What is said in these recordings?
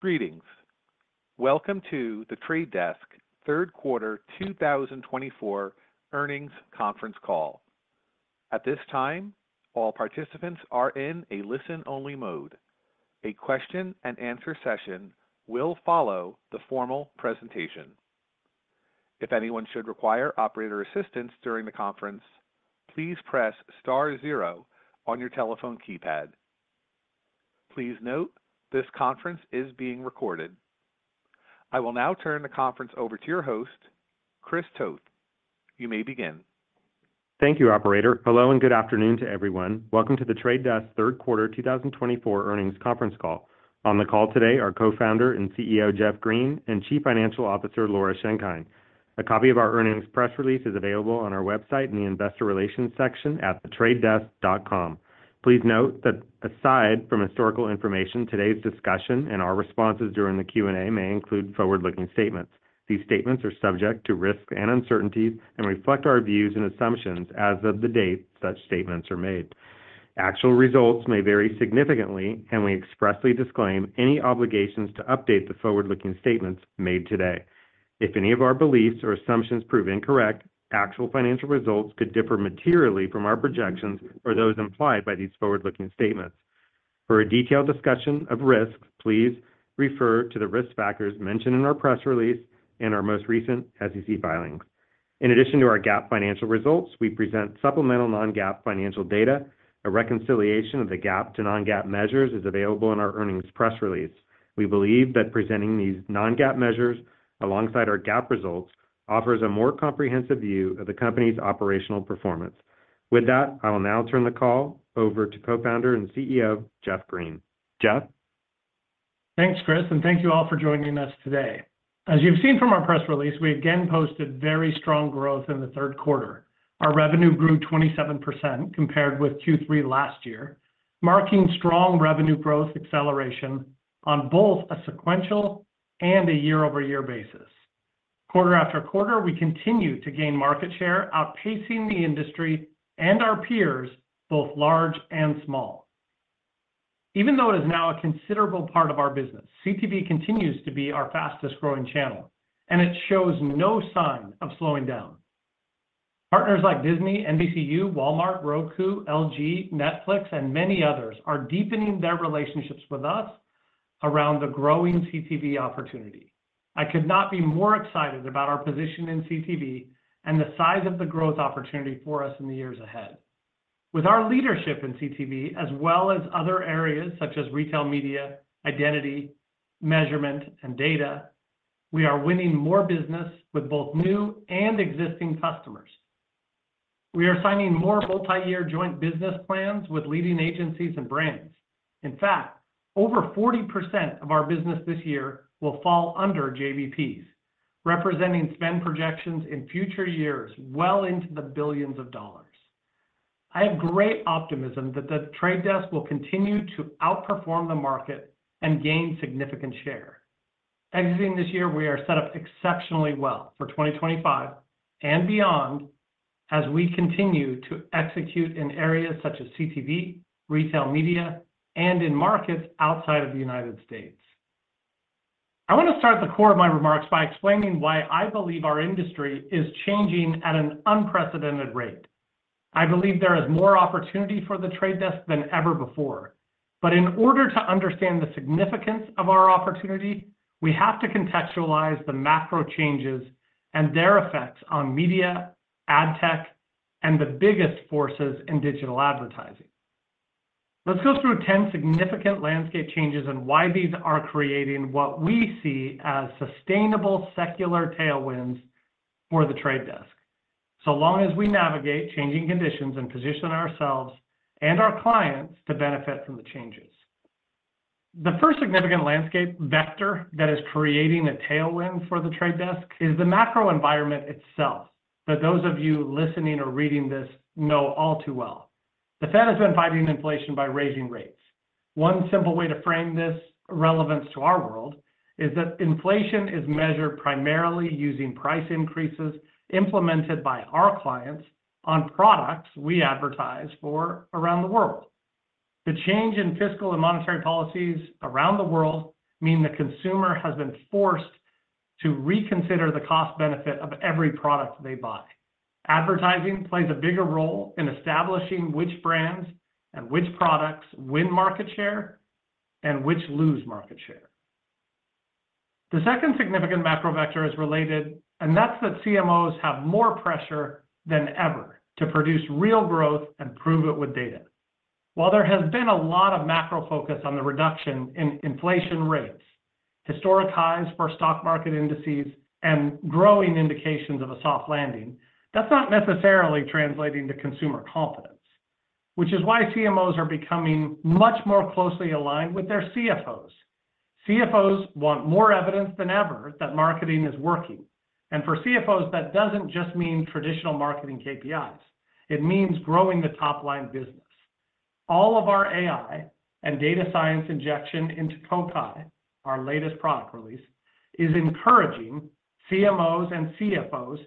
Greetings. Welcome to the Trade Desk's third quarter 2024 earnings conference call. At this time, all participants are in a listen-only mode. A question-and-answer session will follow the formal presentation. If anyone should require operator assistance during the conference, please press star zero on your telephone keypad. Please note this conference is being recorded. I will now turn the conference over to your host, Chris Toth. You may begin. Thank you, Operator. Hello and good afternoon to everyone. Welcome to The Trade Desk's third quarter 2024 earnings conference call. On the call today are Co-founder and CEO Jeff Green and Chief Financial Officer Laura Schenkein. A copy of our earnings press release is available on our website in the Investor Relations section at thetradedesk.com. Please note that aside from historical information, today's discussion and our responses during the Q&A may include forward-looking statements. These statements are subject to risk and uncertainties and reflect our views and assumptions as of the date such statements are made. Actual results may vary significantly, and we expressly disclaim any obligations to update the forward-looking statements made today. If any of our beliefs or assumptions prove incorrect, actual financial results could differ materially from our projections or those implied by these forward-looking statements. For a detailed discussion of risks, please refer to the risk factors mentioned in our press release and our most recent SEC filings. In addition to our GAAP financial results, we present supplemental non-GAAP financial data. A reconciliation of the GAAP to non-GAAP measures is available in our earnings press release. We believe that presenting these non-GAAP measures alongside our GAAP results offers a more comprehensive view of the company's operational performance. With that, I will now turn the call over to Co-founder and CEO Jeff Green. Jeff? Thanks, Chris, and thank you all for joining us today. As you've seen from our press release, we again posted very strong growth in the third quarter. Our revenue grew 27% compared with Q3 last year, marking strong revenue growth acceleration on both a sequential and a year-over-year basis. Quarter after quarter, we continue to gain market share, outpacing the industry and our peers, both large and small. Even though it is now a considerable part of our business, CTV continues to be our fastest-growing channel, and it shows no sign of slowing down. Partners like Disney, NBCU, Walmart, Roku, LG, Netflix, and many others are deepening their relationships with us around the growing CTV opportunity. I could not be more excited about our position in CTV and the size of the growth opportunity for us in the years ahead. With our leadership in CTV, as well as other areas such as retail media, identity, measurement, and data, we are winning more business with both new and existing customers. We are signing more multi-year joint business plans with leading agencies and brands. In fact, over 40% of our business this year will fall under JBPs, representing spend projections in future years well into the billions of dollars. I have great optimism that The Trade Desk will continue to outperform the market and gain significant share. Exiting this year, we are set up exceptionally well for 2025 and beyond as we continue to execute in areas such as CTV, retail media, and in markets outside of the United States. I want to start the core of my remarks by explaining why I believe our industry is changing at an unprecedented rate. I believe there is more opportunity for The Trade Desk than ever before. But in order to understand the significance of our opportunity, we have to contextualize the macro changes and their effects on media, ad tech, and the biggest forces in digital advertising. Let's go through 10 significant landscape changes and why these are creating what we see as sustainable secular tailwinds for The Trade Desk, so long as we navigate changing conditions and position ourselves and our clients to benefit from the changes. The first significant landscape vector that is creating a tailwind for The Trade Desk is the macro environment itself that those of you listening or reading this know all too well. The Fed has been fighting inflation by raising rates. One simple way to frame this relevance to our world is that inflation is measured primarily using price increases implemented by our clients on products we advertise for around the world. The change in fiscal and monetary policies around the world means the consumer has been forced to reconsider the cost-benefit of every product they buy. Advertising plays a bigger role in establishing which brands and which products win market share and which lose market share. The second significant macro vector is related, and that's that CMOs have more pressure than ever to produce real growth and prove it with data. While there has been a lot of macro focus on the reduction in inflation rates, historic highs for stock market indices, and growing indications of a soft landing, that's not necessarily translating to consumer confidence, which is why CMOs are becoming much more closely aligned with their CFOs. CFOs want more evidence than ever that marketing is working. And for CFOs, that doesn't just mean traditional marketing KPIs. It means growing the top-line business. All of our AI and data science injection into CoPilot, our latest product release, is encouraging CMOs and CFOs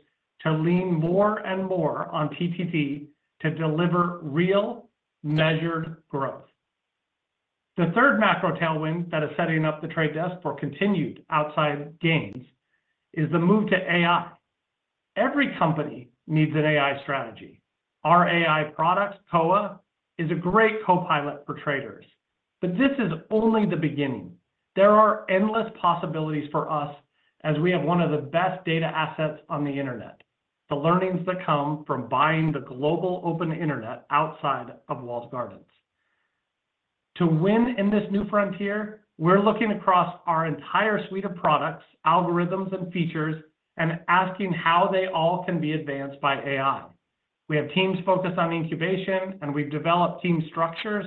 to lean more and more on TTD to deliver real measured growth. The third macro tailwind that is setting up The Trade Desk for continued upside gains is the move to AI. Every company needs an AI strategy. Our AI product, Kokai, is a great co-pilot for traders. But this is only the beginning. There are endless possibilities for us as we have one of the best data assets on the internet, the learnings that come from buying the global open internet outside of walled gardens. To win in this new frontier, we're looking across our entire suite of products, algorithms, and features and asking how they all can be advanced by AI. We have teams focused on incubation, and we've developed team structures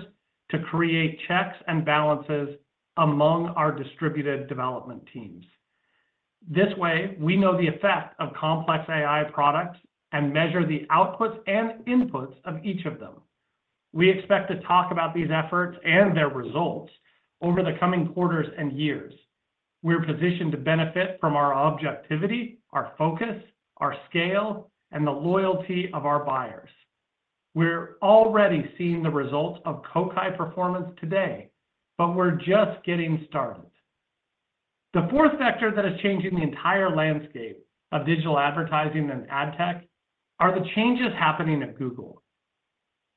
to create checks and balances among our distributed development teams. This way, we know the effect of complex AI products and measure the outputs and inputs of each of them. We expect to talk about these efforts and their results over the coming quarters and years. We're positioned to benefit from our objectivity, our focus, our scale, and the loyalty of our buyers. We're already seeing the results of CoPilot performance today, but we're just getting started. The fourth vector that is changing the entire landscape of digital advertising and ad tech are the changes happening at Google.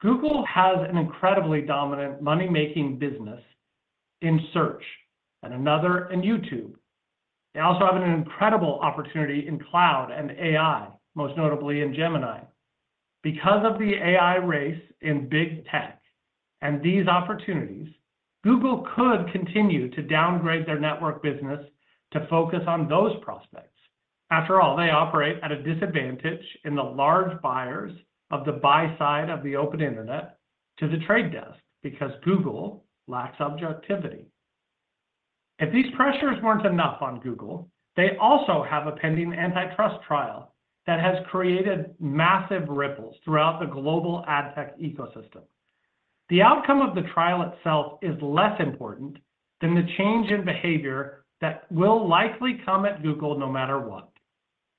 Google has an incredibly dominant money-making business in search and another in YouTube. They also have an incredible opportunity in cloud and AI, most notably in Gemini. Because of the AI race in big tech and these opportunities, Google could continue to downgrade their network business to focus on those prospects. After all, they operate at a disadvantage in the large buyers of the buy side of the open internet to The Trade Desk because Google lacks objectivity. If these pressures weren't enough on Google, they also have a pending antitrust trial that has created massive ripples throughout the global ad tech ecosystem. The outcome of the trial itself is less important than the change in behavior that will likely come at Google no matter what.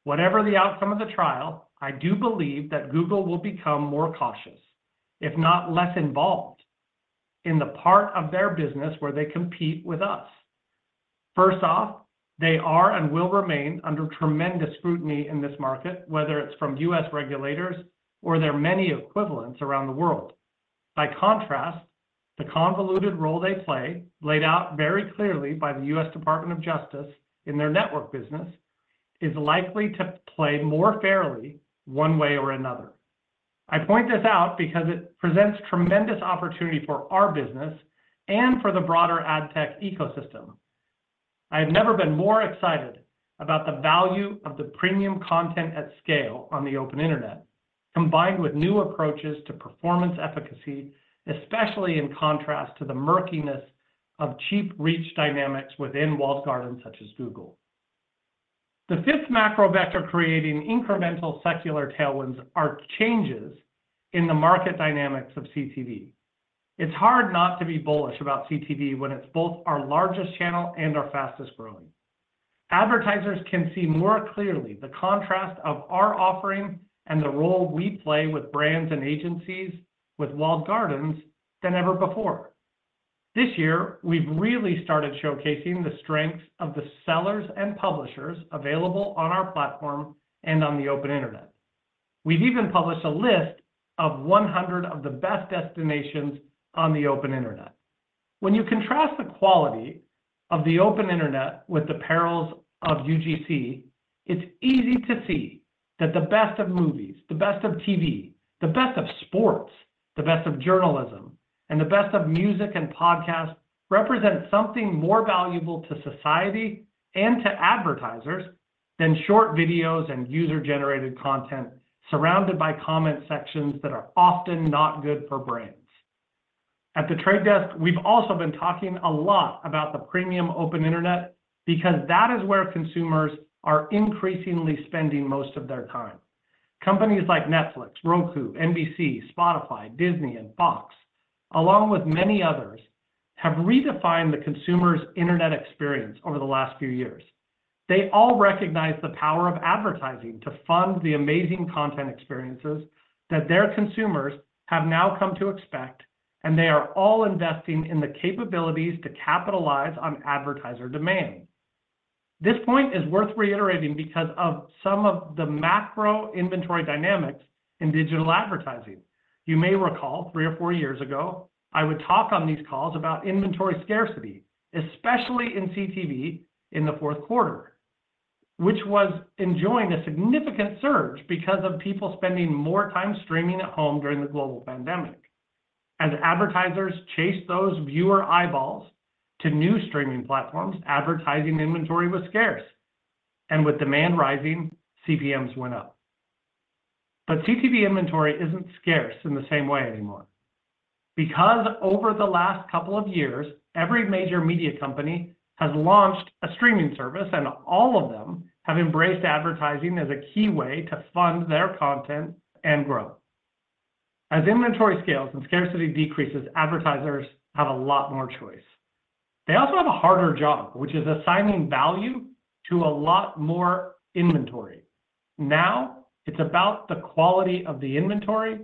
Whatever the outcome of the trial, I do believe that Google will become more cautious, if not less involved, in the part of their business where they compete with us. First off, they are and will remain under tremendous scrutiny in this market, whether it's from U.S. regulators or their many equivalents around the world. By contrast, the convoluted role they play, laid out very clearly by the U.S. Department of Justice in their network business, is likely to play more fairly one way or another. I point this out because it presents tremendous opportunity for our business and for the broader ad tech ecosystem. I have never been more excited about the value of the premium content at scale on the open internet, combined with new approaches to performance efficacy, especially in contrast to the murkiness of cheap reach dynamics within walled garden such as Google. The fifth macro vector creating incremental secular tailwinds are changes in the market dynamics of CTV. It's hard not to be bullish about CTV when it's both our largest channel and our fastest growing. Advertisers can see more clearly the contrast of our offering and the role we play with brands and agencies with walled gardens than ever before. This year, we've really started showcasing the strengths of the sellers and publishers available on our platform and on the open internet. We've even published a list of 100 of the best destinations on the open internet. When you contrast the quality of the open internet with the perils of UGC, it's easy to see that the best of movies, the best of TV, the best of sports, the best of journalism, and the best of music and podcasts represent something more valuable to society and to advertisers than short videos and user-generated content surrounded by comment sections that are often not good for brains. At The Trade Desk, we've also been talking a lot about the premium open internet because that is where consumers are increasingly spending most of their time. Companies like Netflix, Roku, NBCUniversal, Spotify, Disney, and Fox, along with many others, have redefined the consumer's internet experience over the last few years. They all recognize the power of advertising to fund the amazing content experiences that their consumers have now come to expect, and they are all investing in the capabilities to capitalize on advertiser demand. This point is worth reiterating because of some of the macro inventory dynamics in digital advertising. You may recall three or four years ago, I would talk on these calls about inventory scarcity, especially in CTV in the fourth quarter, which was enjoying a significant surge because of people spending more time streaming at home during the global pandemic. As advertisers chased those viewer eyeballs to new streaming platforms, advertising inventory was scarce, and with demand rising, CPMs went up, but CTV inventory isn't scarce in the same way anymore. Because over the last couple of years, every major media company has launched a streaming service, and all of them have embraced advertising as a key way to fund their content and grow. As inventory scales and scarcity decreases, advertisers have a lot more choice. They also have a harder job, which is assigning value to a lot more inventory. Now it's about the quality of the inventory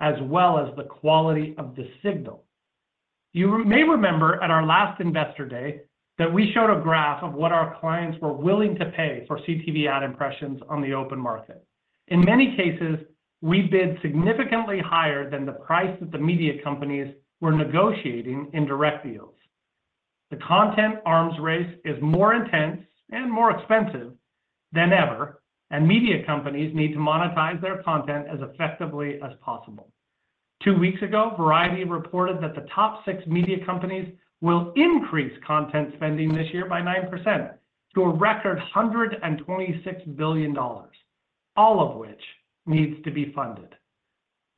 as well as the quality of the signal. You may remember at our last investor day that we showed a graph of what our clients were willing to pay for CTV ad impressions on the open market. In many cases, we bid significantly higher than the price that the media companies were negotiating in direct deals. The content arms race is more intense and more expensive than ever, and media companies need to monetize their content as effectively as possible. Two weeks ago, Variety reported that the top six media companies will increase content spending this year by 9% to a record $126 billion, all of which needs to be funded.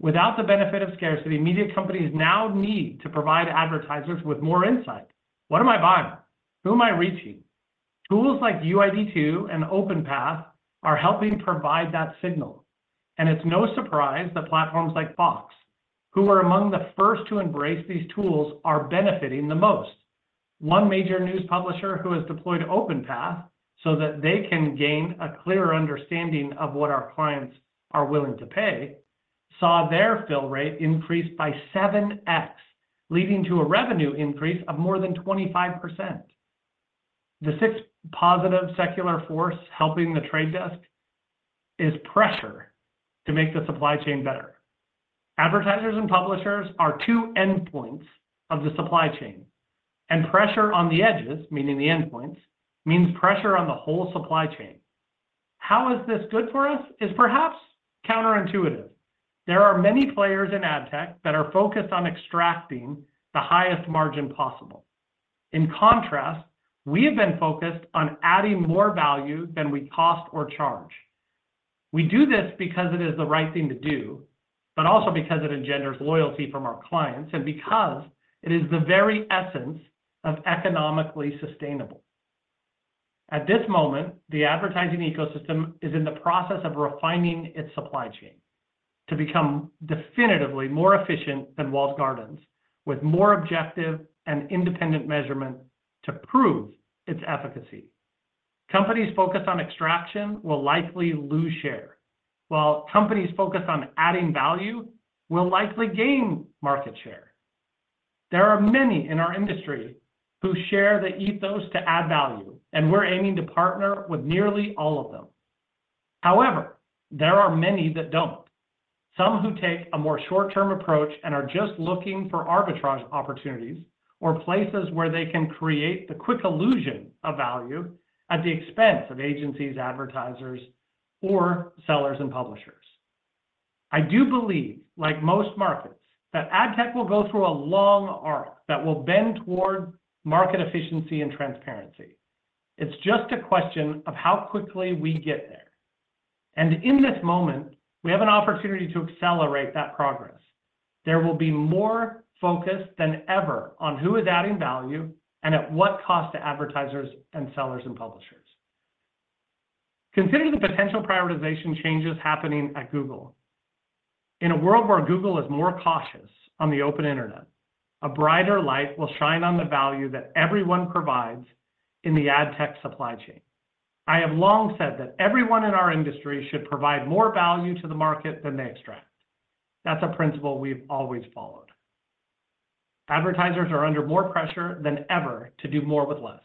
Without the benefit of scarcity, media companies now need to provide advertisers with more insight. What am I buying? Who am I reaching? Tools like UID2 and OpenPath are helping provide that signal. And it's no surprise that platforms like Fox, who were among the first to embrace these tools, are benefiting the most. One major news publisher who has deployed OpenPath so that they can gain a clearer understanding of what our clients are willing to pay saw their fill rate increase by 7x, leading to a revenue increase of more than 25%. The sixth positive secular force helping The Trade Desk is pressure to make the supply chain better. Advertisers and publishers are two endpoints of the supply chain, and pressure on the edges, meaning the endpoints, means pressure on the whole supply chain. How is this good for us? It's perhaps counterintuitive. There are many players in ad tech that are focused on extracting the highest margin possible. In contrast, we have been focused on adding more value than we cost or charge. We do this because it is the right thing to do, but also because it engenders loyalty from our clients and because it is the very essence of economic sustainability. At this moment, the advertising ecosystem is in the process of refining its supply chain to become definitively more efficient than walled gardens, with more objective and independent measurement to prove its efficacy. Companies focused on extraction will likely lose share, while companies focused on adding value will likely gain market share. There are many in our industry who share the ethos to add value, and we're aiming to partner with nearly all of them. However, there are many that don't, some who take a more short-term approach and are just looking for arbitrage opportunities or places where they can create the quick illusion of value at the expense of agencies, advertisers, or sellers and publishers. I do believe, like most markets, that ad tech will go through a long arc that will bend toward market efficiency and transparency. It's just a question of how quickly we get there, and in this moment, we have an opportunity to accelerate that progress. There will be more focus than ever on who is adding value and at what cost to advertisers and sellers and publishers. Consider the potential prioritization changes happening at Google. In a world where Google is more cautious on the open internet, a brighter light will shine on the value that everyone provides in the ad tech supply chain. I have long said that everyone in our industry should provide more value to the market than they extract. That's a principle we've always followed. Advertisers are under more pressure than ever to do more with less.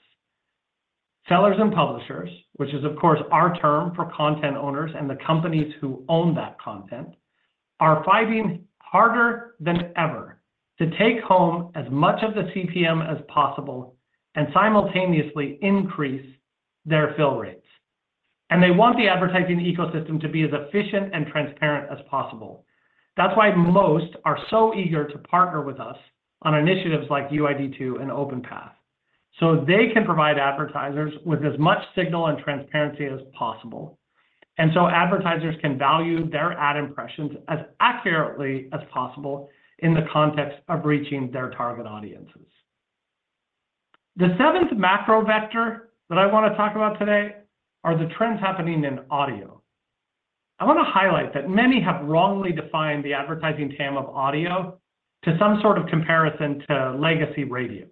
Sellers and publishers, which is, of course, our term for content owners and the companies who own that content, are fighting harder than ever to take home as much of the CPM as possible and simultaneously increase their fill rates. And they want the advertising ecosystem to be as efficient and transparent as possible. That's why most are so eager to partner with us on initiatives like UID2 and OpenPath, so they can provide advertisers with as much signal and transparency as possible, and so advertisers can value their ad impressions as accurately as possible in the context of reaching their target audiences. The seventh macro vector that I want to talk about today are the trends happening in audio. I want to highlight that many have wrongly defined the advertising TAM of audio to some sort of comparison to legacy radio.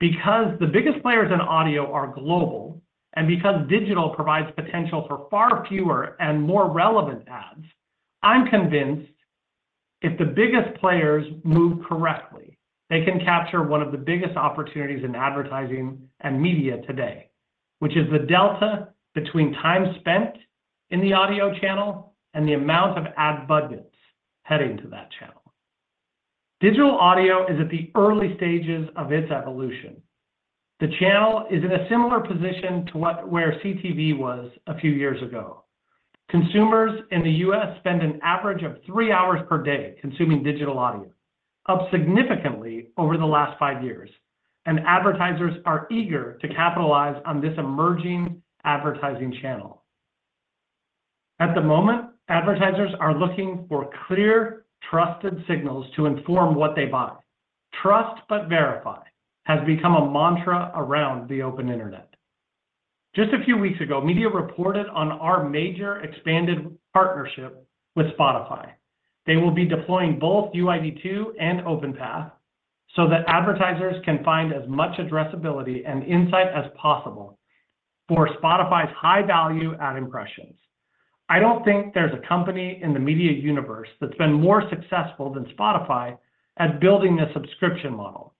Because the biggest players in audio are global and because digital provides potential for far fewer and more relevant ads, I'm convinced if the biggest players move correctly, they can capture one of the biggest opportunities in advertising and media today, which is the delta between time spent in the audio channel and the amount of ad budgets heading to that channel. Digital audio is at the early stages of its evolution. The channel is in a similar position to where CTV was a few years ago. Consumers in the U.S. spend an average of three hours per day consuming digital audio, up significantly over the last five years, and advertisers are eager to capitalize on this emerging advertising channel. At the moment, advertisers are looking for clear, trusted signals to inform what they buy. Trust but verify has become a mantra around the open internet. Just a few weeks ago, media reported on our major expanded partnership with Spotify. They will be deploying both UID2 and OpenPath so that advertisers can find as much addressability and insight as possible for Spotify's high-value ad impressions. I don't think there's a company in the media universe that's been more successful than Spotify at building this subscription model.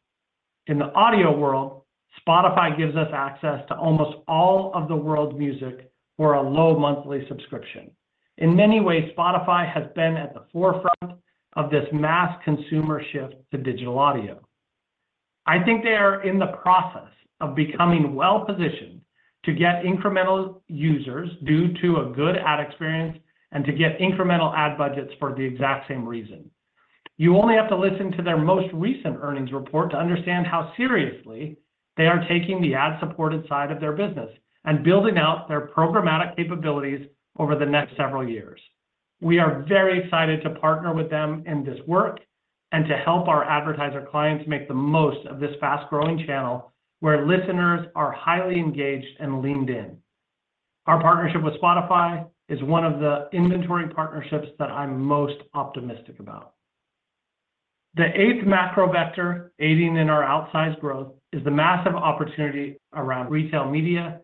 In the audio world, Spotify gives us access to almost all of the world's music for a low monthly subscription. In many ways, Spotify has been at the forefront of this mass consumer shift to digital audio. I think they are in the process of becoming well-positioned to get incremental users due to a good ad experience and to get incremental ad budgets for the exact same reason. You only have to listen to their most recent earnings report to understand how seriously they are taking the ad-supported side of their business and building out their programmatic capabilities over the next several years. We are very excited to partner with them in this work and to help our advertiser clients make the most of this fast-growing channel where listeners are highly engaged and leaned in. Our partnership with Spotify is one of the inventory partnerships that I'm most optimistic about. The eighth macro vector aiding in our outsized growth is the massive opportunity around retail media.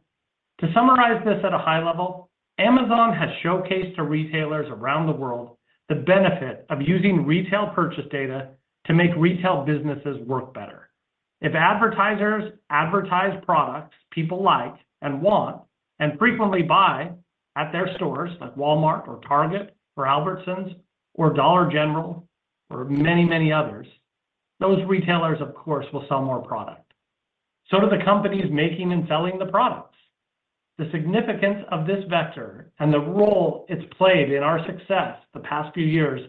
To summarize this at a high level, Amazon has showcased to retailers around the world the benefit of using retail purchase data to make retail businesses work better. If advertisers advertise products people like and want and frequently buy at their stores like Walmart or Target or Albertsons or Dollar General or many, many others, those retailers, of course, will sell more product. So do the companies making and selling the products. The significance of this vector and the role it's played in our success the past few years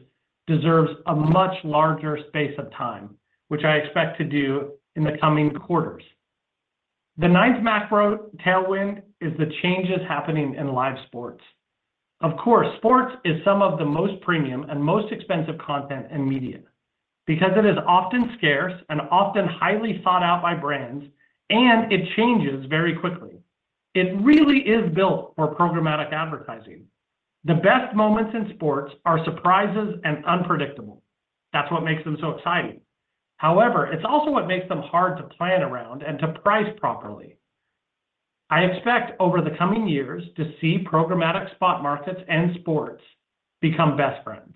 deserves a much larger space of time, which I expect to do in the coming quarters. The ninth macro tailwind is the changes happening in live sports. Of course, sports is some of the most premium and most expensive content and media because it is often scarce and often highly sought out by brands, and it changes very quickly. It really is built for programmatic advertising. The best moments in sports are surprises and unpredictable. That's what makes them so exciting. However, it's also what makes them hard to plan around and to price properly. I expect over the coming years to see programmatic spot markets and sports become best friends.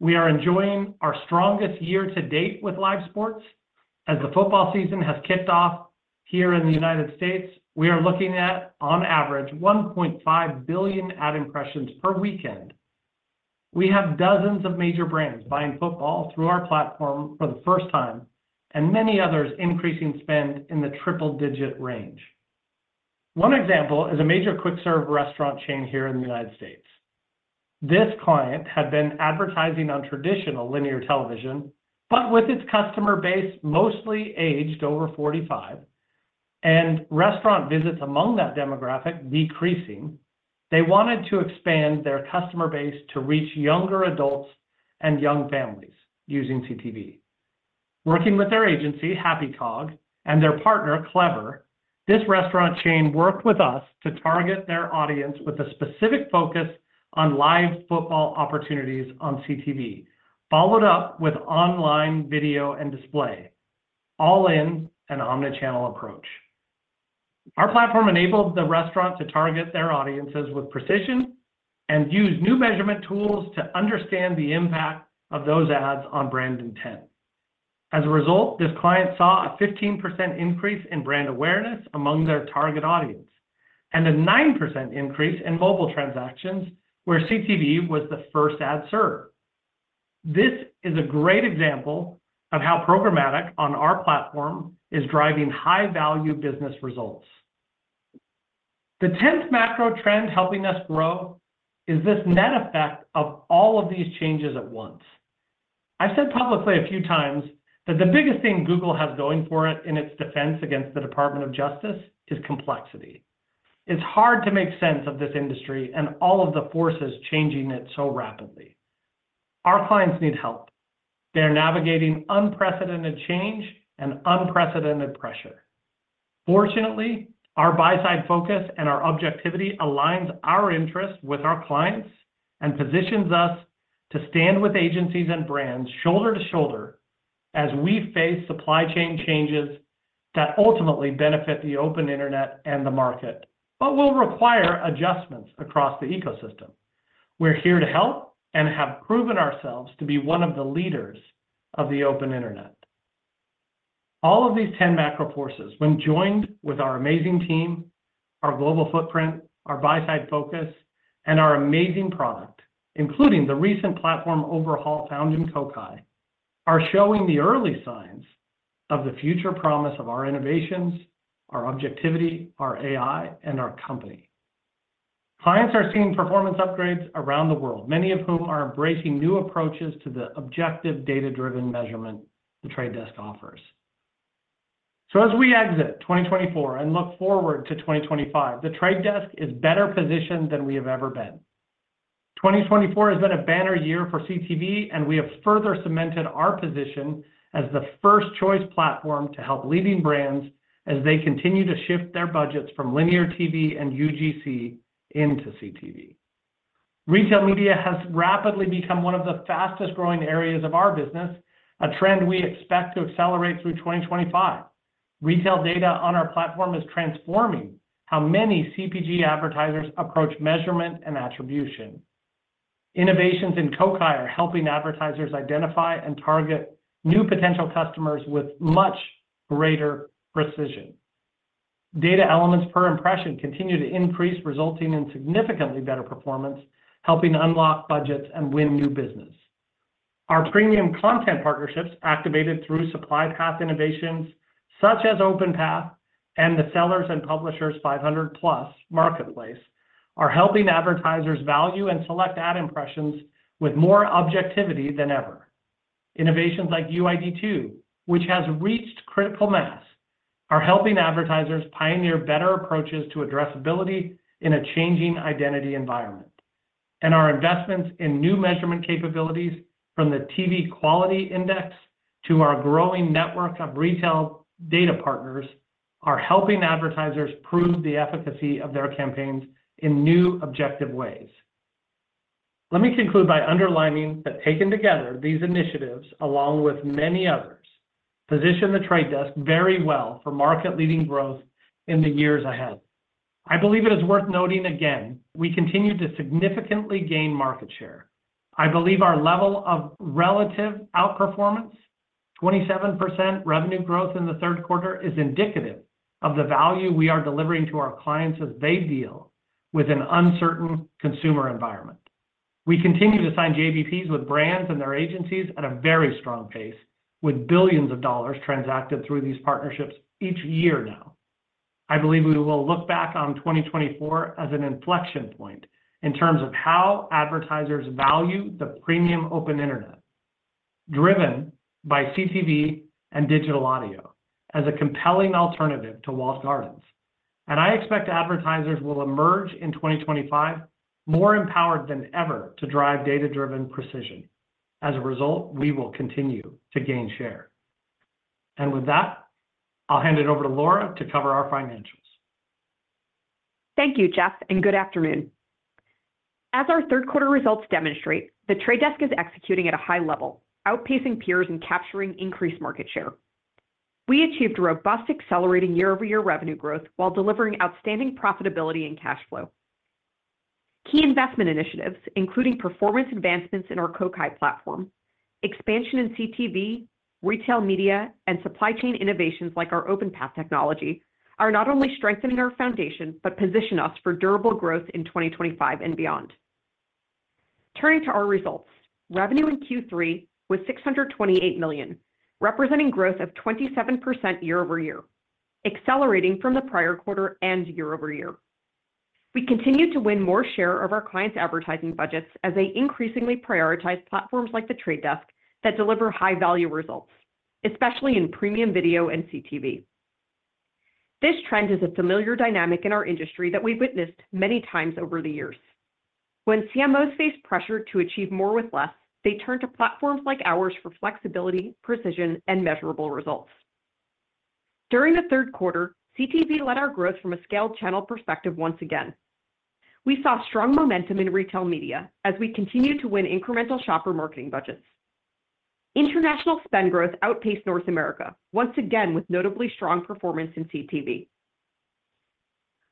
We are enjoying our strongest year to date with live sports. As the football season has kicked off here in the United States, we are looking at, on average, 1.5 billion ad impressions per weekend. We have dozens of major brands buying football through our platform for the first time, and many others increasing spend in the triple-digit range. One example is a major quick-serve restaurant chain here in the United States. This client had been advertising on traditional linear television, but with its customer base mostly aged over 45 and restaurant visits among that demographic decreasing, they wanted to expand their customer base to reach younger adults and young families using CTV. Working with their agency, Happy Cog, and their partner, Kerv Interactive, this restaurant chain worked with us to target their audience with a specific focus on live football opportunities on CTV, followed up with online video and display, all in an omnichannel approach. Our platform enabled the restaurant to target their audiences with precision and use new measurement tools to understand the impact of those ads on brand intent. As a result, this client saw a 15% increase in brand awareness among their target audience and a 9% increase in mobile transactions where CTV was the first ad served. This is a great example of how programmatic on our platform is driving high-value business results. The 10th macro trend helping us grow is this net effect of all of these changes at once. I've said publicly a few times that the biggest thing Google has going for it in its defense against the Department of Justice is complexity. It's hard to make sense of this industry and all of the forces changing it so rapidly. Our clients need help. They are navigating unprecedented change and unprecedented pressure. Fortunately, our buy-side focus and our objectivity aligns our interests with our clients and positions us to stand with agencies and brands shoulder to shoulder as we face supply chain changes that ultimately benefit the open internet and the market, but will require adjustments across the ecosystem. We're here to help and have proven ourselves to be one of the leaders of the open internet. All of these ten macro forces, when joined with our amazing team, our global footprint, our buy-side focus, and our amazing product, including the recent platform overhaul found in Kokai, are showing the early signs of the future promise of our innovations, our objectivity, our AI, and our company. Clients are seeing performance upgrades around the world, many of whom are embracing new approaches to the objective data-driven measurement The Trade Desk offers. As we exit 2024 and look forward to 2025, The Trade Desk is better positioned than we have ever been. 2024 has been a banner year for CTV, and we have further cemented our position as the first choice platform to help leading brands as they continue to shift their budgets from linear TV and UGC into CTV. Retail media has rapidly become one of the fastest-growing areas of our business, a trend we expect to accelerate through 2025. Retail data on our platform is transforming how many CPG advertisers approach measurement and attribution. Innovations in Kokai are helping advertisers identify and target new potential customers with much greater precision. Data elements per impression continue to increase, resulting in significantly better performance, helping unlock budgets and win new business. Our premium content partnerships activated through supply path Innovations, such as OpenPath, and the Sellers and Publishers 500+ Marketplace are helping advertisers value and select ad impressions with more objectivity than ever. Innovations like UID2, which has reached critical mass, are helping advertisers pioneer better approaches to addressability in a changing identity environment. Our investments in new measurement capabilities, from the TV Quality Index to our growing network of retail data partners, are helping advertisers prove the efficacy of their campaigns in new objective ways. Let me conclude by underlining that taken together, these initiatives, along with many others, position The Trade Desk very well for market-leading growth in the years ahead. I believe it is worth noting again, we continue to significantly gain market share. I believe our level of relative outperformance, 27% revenue growth in the third quarter, is indicative of the value we are delivering to our clients as they deal with an uncertain consumer environment. We continue to sign JBPs with brands and their agencies at a very strong pace, with billions of dollars transacted through these partnerships each year now. I believe we will look back on 2024 as an inflection point in terms of how advertisers value the premium open internet, driven by CTV and digital audio as a compelling alternative to Walled Gardens, and I expect advertisers will emerge in 2025 more empowered than ever to drive data-driven precision. As a result, we will continue to gain share, and with that, I'll hand it over to Laura to cover our financials. Thank you, Jeff, and good afternoon. As our third-quarter results demonstrate, The Trade Desk is executing at a high level, outpacing peers and capturing increased market share. We achieved robust, accelerating year-over-year revenue growth while delivering outstanding profitability and cash flow. Key investment initiatives, including performance advancements in our Kokai platform, expansion in CTV, retail media, and supply chain innovations like our OpenPath technology, are not only strengthening our foundation but position us for durable growth in 2025 and beyond. Turning to our results, revenue in Q3 was $628 million, representing growth of 27% year-over-year, accelerating from the prior quarter and year-over-year. We continue to win more share of our clients' advertising budgets as they increasingly prioritize platforms like the Trade Desk that deliver high-value results, especially in premium video and CTV. This trend is a familiar dynamic in our industry that we've witnessed many times over the years. When CMOs face pressure to achieve more with less, they turn to platforms like ours for flexibility, precision, and measurable results. During the third quarter, CTV led our growth from a scaled-channel perspective once again. We saw strong momentum in retail media as we continued to win incremental shopper marketing budgets. International spend growth outpaced North America once again with notably strong performance in CTV.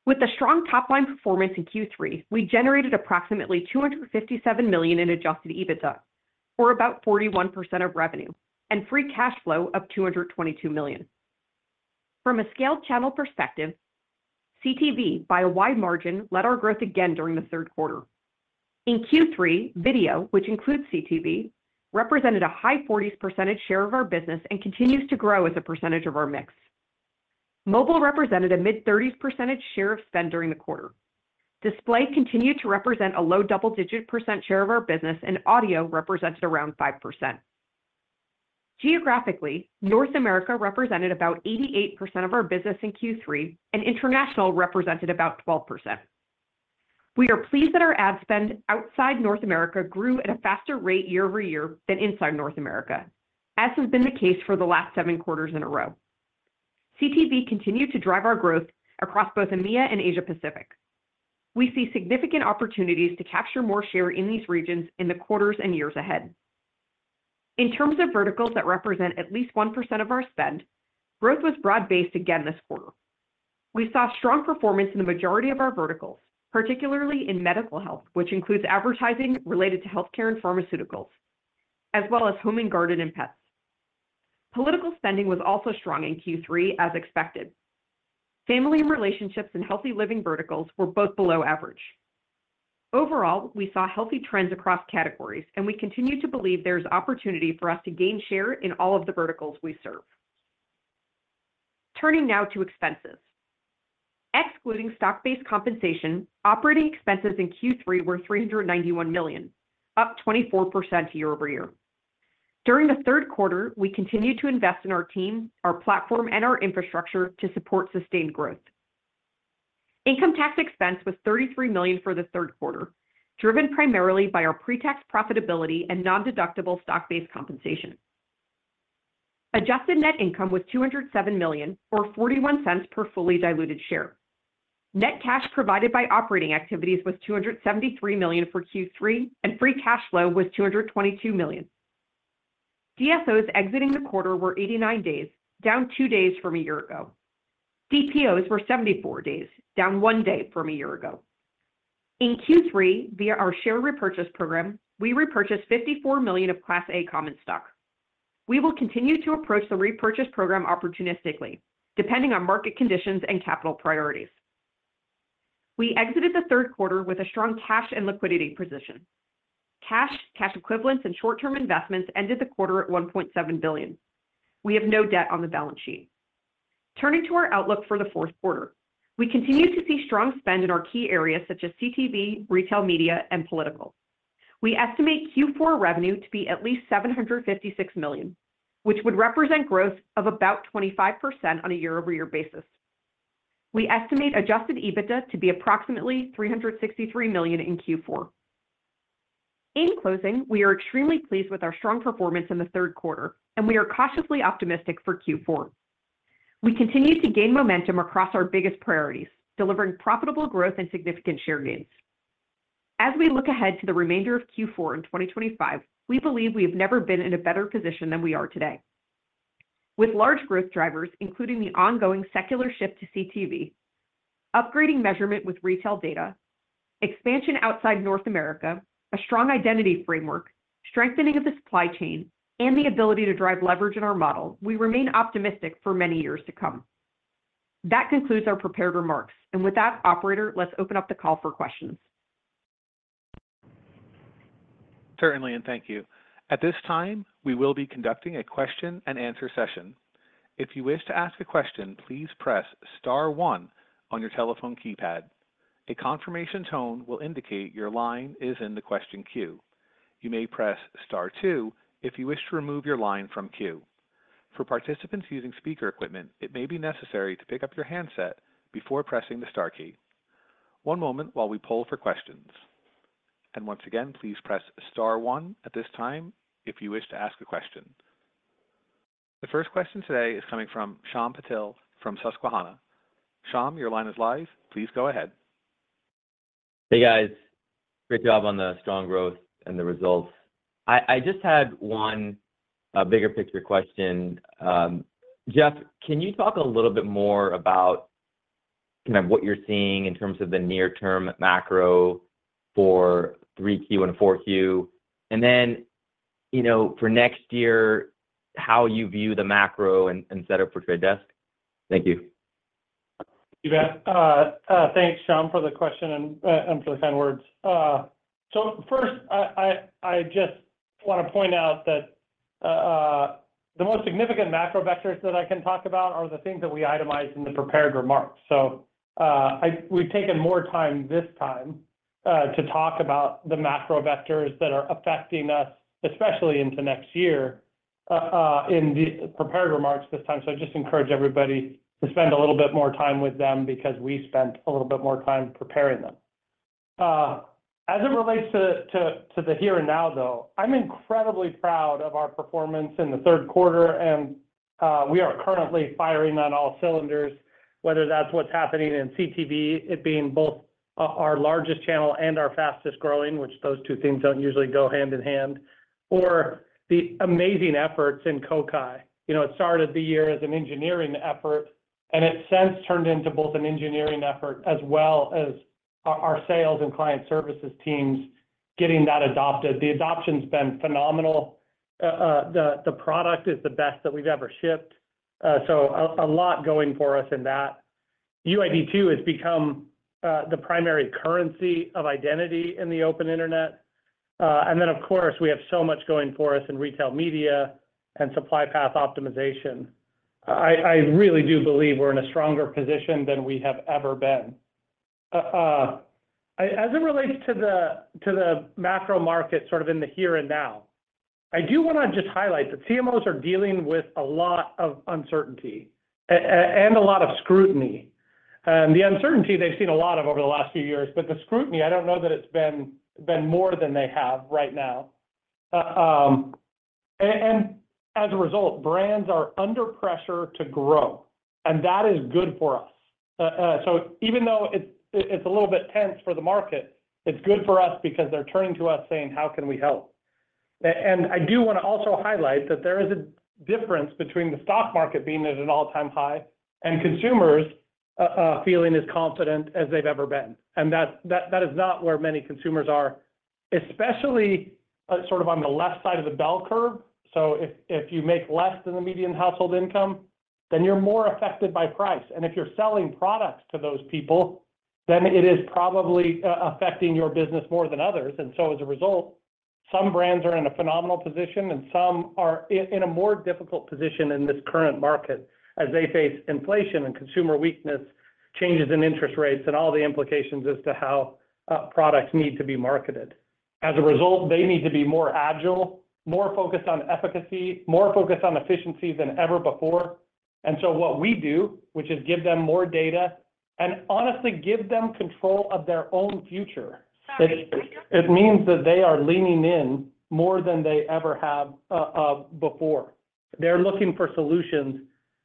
With a strong top-line performance in Q3, we generated approximately $257 million in Adjusted EBITDA, or about 41% of revenue, and free cash flow of $222 million. From a scaled-channel perspective, CTV, by a wide margin, led our growth again during the third quarter. In Q3, video, which includes CTV, represented a high 40% share of our business and continues to grow as a percentage of our mix. Mobile represented a mid-30% share of spend during the quarter. Display continued to represent a low double-digit % share of our business, and audio represented around 5%. Geographically, North America represented about 88% of our business in Q3, and international represented about 12%. We are pleased that our ad spend outside North America grew at a faster rate year-over-year than inside North America, as has been the case for the last seven quarters in a row. CTV continued to drive our growth across both EMEA and Asia-Pacific. We see significant opportunities to capture more share in these regions in the quarters and years ahead. In terms of verticals that represent at least 1% of our spend, growth was broad-based again this quarter. We saw strong performance in the majority of our verticals, particularly in medical health, which includes advertising related to healthcare and pharmaceuticals, as well as home and garden and pets. Political spending was also strong in Q3, as expected. Family and relationships and healthy living verticals were both below average. Overall, we saw healthy trends across categories, and we continue to believe there is opportunity for us to gain share in all of the verticals we serve. Turning now to expenses. Excluding stock-based compensation, operating expenses in Q3 were $391 million, up 24% year-over-year. During the third quarter, we continued to invest in our team, our platform, and our infrastructure to support sustained growth. Income tax expense was $33 million for the third quarter, driven primarily by our pre-tax profitability and non-deductible stock-based compensation. Adjusted net income was $207 million, or $0.41 per fully diluted share. Net cash provided by operating activities was $273 million for Q3, and free cash flow was $222 million. DSOs exiting the quarter were 89 days, down two days from a year ago. DPOs were 74 days, down one day from a year ago. In Q3, via our share repurchase program, we repurchased 54 million of Class A Common stock. We will continue to approach the repurchase program opportunistically, depending on market conditions and capital priorities. We exited the third quarter with a strong cash and liquidity position. Cash, cash equivalents, and short-term investments ended the quarter at $1.7 billion. We have no debt on the balance sheet. Turning to our outlook for the fourth quarter, we continue to see strong spend in our key areas such as CTV, retail media, and political. We estimate Q4 revenue to be at least $756 million, which would represent growth of about 25% on a year-over-year basis. We estimate adjusted EBITDA to be approximately $363 million in Q4. In closing, we are extremely pleased with our strong performance in the third quarter, and we are cautiously optimistic for Q4. We continue to gain momentum across our biggest priorities, delivering profitable growth and significant share gains. As we look ahead to the remainder of Q4 in 2025, we believe we have never been in a better position than we are today. With large growth drivers, including the ongoing secular shift to CTV, upgrading measurement with retail data, expansion outside North America, a strong identity framework, strengthening of the supply chain, and the ability to drive leverage in our model, we remain optimistic for many years to come. That concludes our prepared remarks. And with that, Operator, let's open up the call for questions. Certainly, and thank you. At this time, we will be conducting a question-and-answer session. If you wish to ask a question, please press Star 1 on your telephone keypad. A confirmation tone will indicate your line is in the question queue. You may press Star 2 if you wish to remove your line from queue. For participants using speaker equipment, it may be necessary to pick up your handset before pressing the Star key. One moment while we poll for questions. And once again, please press Star 1 at this time if you wish to ask a question. The first question today is coming from Shyam Patil from Susquehanna. Shyam, your line is live. Please go ahead. Hey, guys. Great job on the strong growth and the results. I just had one bigger picture question. Jeff, can you talk a little bit more about kind of what you're seeing in terms of the near-term macro for 3Q and 4Q, and then for next year, how you view the macro and set up for Trade Desk? Thank you. Thank you, Beth. Thanks, Shyam, for the question and for the kind words. So first, I just want to point out that the most significant macro vectors that I can talk about are the things that we itemized in the prepared remarks. So we've taken more time this time to talk about the macro vectors that are affecting us, especially into next year, in the prepared remarks this time. So I just encourage everybody to spend a little bit more time with them because we spent a little bit more time preparing them. As it relates to the here and now, though, I'm incredibly proud of our performance in the third quarter, and we are currently firing on all cylinders, whether that's what's happening in CTV, it being both our largest channel and our fastest growing, which those two things don't usually go hand in hand, or the amazing efforts in Kokai. It started the year as an engineering effort, and it since turned into both an engineering effort as well as our sales and client services teams getting that adopted. The adoption's been phenomenal. The product is the best that we've ever shipped. So a lot going for us in that. UID2 has become the primary currency of identity in the open internet. And then, of course, we have so much going for us in retail media and supply path optimization. I really do believe we're in a stronger position than we have ever been. As it relates to the macro market sort of in the here and now, I do want to just highlight that CMOs are dealing with a lot of uncertainty and a lot of scrutiny. And the uncertainty they've seen a lot of over the last few years, but the scrutiny, I don't know that it's been more than they have right now. And as a result, brands are under pressure to grow, and that is good for us. So even though it's a little bit tense for the market, it's good for us because they're turning to us saying, "How can we help?" And I do want to also highlight that there is a difference between the stock market being at an all-time high and consumers feeling as confident as they've ever been. And that is not where many consumers are, especially sort of on the left side of the bell curve. So if you make less than the median household income, then you're more affected by price. If you're selling products to those people, then it is probably affecting your business more than others. So as a result, some brands are in a phenomenal position, and some are in a more difficult position in this current market as they face inflation and consumer weakness, changes in interest rates, and all the implications as to how products need to be marketed. As a result, they need to be more agile, more focused on efficacy, more focused on efficiency than ever before. So what we do, which is give them more data and honestly give them control of their own future, it means that they are leaning in more than they ever have before. They're looking for solutions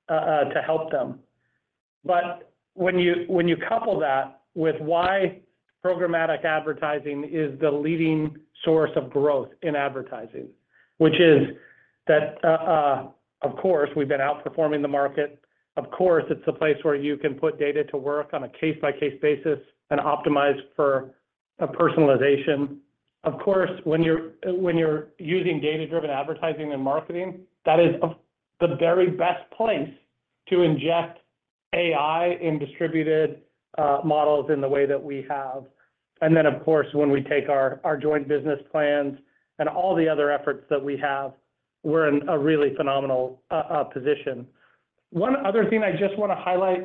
to help them. But when you couple that with why programmatic advertising is the leading source of growth in advertising, which is that, of course, we've been outperforming the market. Of course, it's a place where you can put data to work on a case-by-case basis and optimize for personalization. Of course, when you're using data-driven advertising and marketing, that is the very best place to inject AI and distributed models in the way that we have. And then, of course, when we take our joint business plans and all the other efforts that we have, we're in a really phenomenal position. One other thing I just want to highlight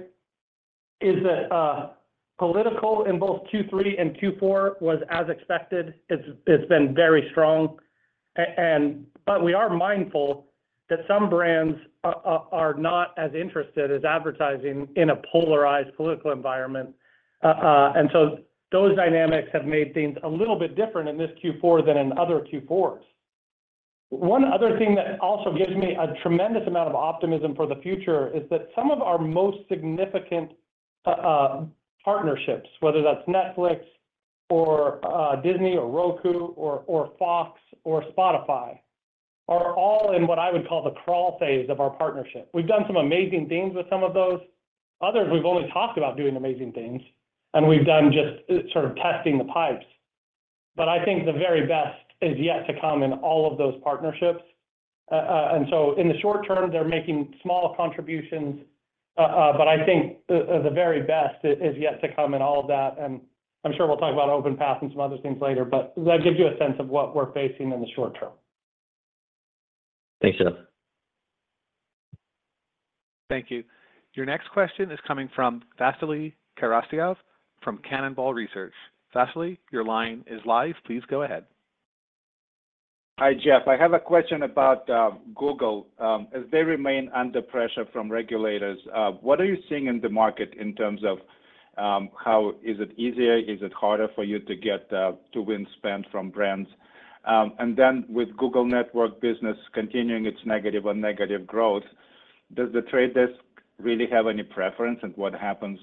is that political in both Q3 and Q4 was as expected. It's been very strong. But we are mindful that some brands are not as interested as advertising in a polarized political environment. Those dynamics have made things a little bit different in this Q4 than in other Q4s. One other thing that also gives me a tremendous amount of optimism for the future is that some of our most significant partnerships, whether that's Netflix or Disney or Roku or Fox or Spotify, are all in what I would call the crawl phase of our partnership. We've done some amazing things with some of those. Others, we've only talked about doing amazing things, and we've done just sort of testing the pipes. I think the very best is yet to come in all of those partnerships. In the short term, they're making small contributions. I think the very best is yet to come in all of that. I'm sure we'll talk about OpenPath and some other things later, but that gives you a sense of what we're facing in the short term. Thanks, Jeff. Thank you. Your next question is coming from Vasily Karasyov from Cannonball Research. Vasily, your line is live. Please go ahead. Hi, Jeff. I have a question about Google. As they remain under pressure from regulators, what are you seeing in the market in terms of how is it easier? Is it harder for you to get TV spend from brands? And then with Google Network business continuing its negative year-on-year growth, does The Trade Desk really have any preference? And what happens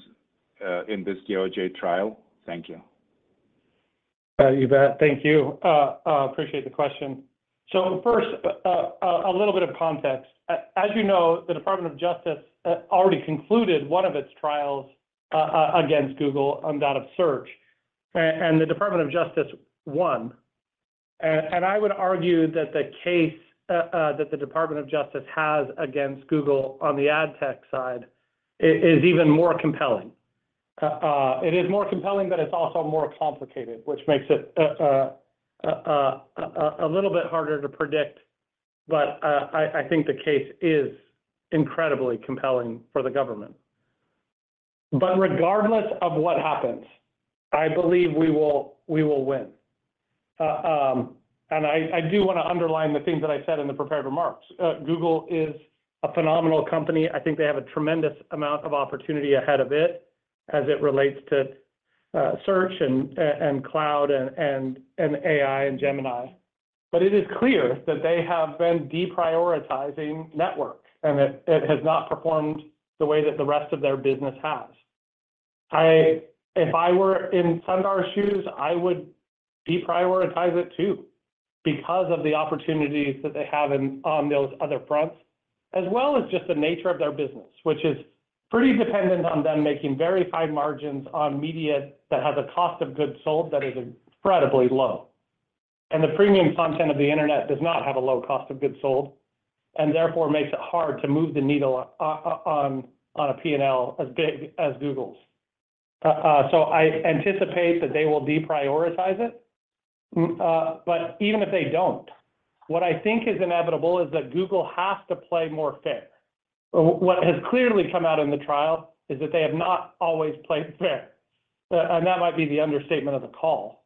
in this DOJ trial? Thank you. Thank you. Appreciate the question. So first, a little bit of context. As you know, the Department of Justice already concluded one of its trials against Google on search. And the Department of Justice won. And I would argue that the case that the Department of Justice has against Google on the ad tech side is even more compelling. It is more compelling, but it's also more complicated, which makes it a little bit harder to predict. But I think the case is incredibly compelling for the government. But regardless of what happens, I believe we will win. And I do want to underline the things that I said in the prepared remarks. Google is a phenomenal company. I think they have a tremendous amount of opportunity ahead of it as it relates to search and cloud and AI and Gemini. But it is clear that they have been deprioritizing network, and it has not performed the way that the rest of their business has. If I were in Sundar's shoes, I would deprioritize it too because of the opportunities that they have on those other fronts, as well as just the nature of their business, which is pretty dependent on them making very high margins on media that has a cost of goods sold that is incredibly low. And the premium content of the internet does not have a low cost of goods sold, and therefore makes it hard to move the needle on a P&L as big as Google's. So I anticipate that they will deprioritize it. But even if they don't, what I think is inevitable is that Google has to play more fair. What has clearly come out in the trial is that they have not always played fair. And that might be the understatement of the call.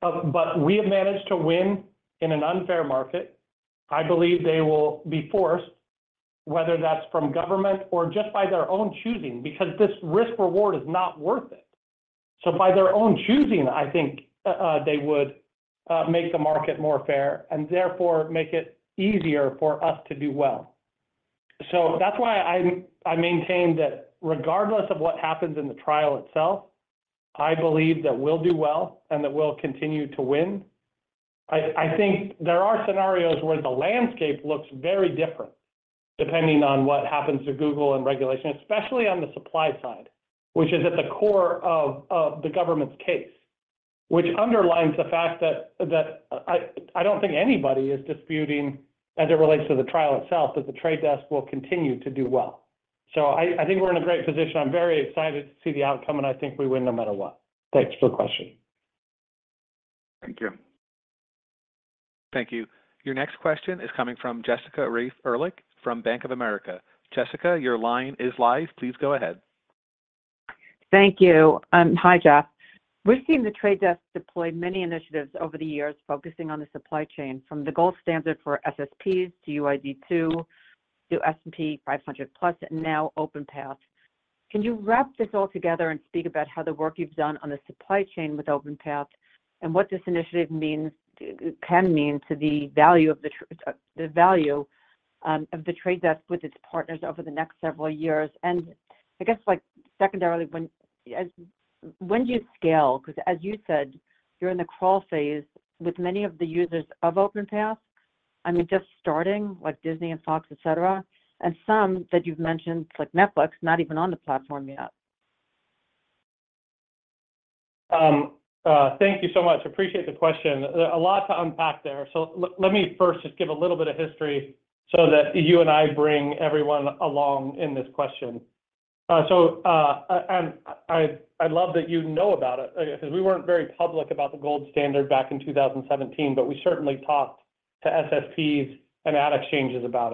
But we have managed to win in an unfair market. I believe they will be forced, whether that's from government or just by their own choosing, because this risk-reward is not worth it. So by their own choosing, I think they would make the market more fair and therefore make it easier for us to do well. So that's why I maintain that regardless of what happens in the trial itself, I believe that we'll do well and that we'll continue to win. I think there are scenarios where the landscape looks very different depending on what happens to Google and regulation, especially on the supply side, which is at the core of the government's case, which underlines the fact that I don't think anybody is disputing as it relates to the trial itself that The Trade Desk will continue to do well. So I think we're in a great position. I'm very excited to see the outcome, and I think we win no matter what. Thanks for the question. Thank you. Thank you. Your next question is coming from Jessica Reif Ehrlich from Bank of America. Jessica, your line is live. Please go ahead. Thank you. Hi, Jeff. We've seen The Trade Desk deploy many initiatives over the years focusing on the supply chain, from the gold standard for SSPs to UID2 to Sellers and Publishers 500+ and now OpenPath. Can you wrap this all together and speak about how the work you've done on the supply chain with OpenPath and what this initiative can mean to the value of The Trade Desk with its partners over the next several years? And I guess secondarily, when do you scale? Because as you said, you're in the crawl phase with many of the users of OpenPath, I mean, just starting like Disney and Fox, etc., and some that you've mentioned like Netflix, not even on the platform yet. Thank you so much. Appreciate the question. A lot to unpack there. So let me first just give a little bit of history so that you and I bring everyone along in this question. And I love that you know about it because we weren't very public about the gold standard back in 2017, but we certainly talked to SSPs and ad exchanges about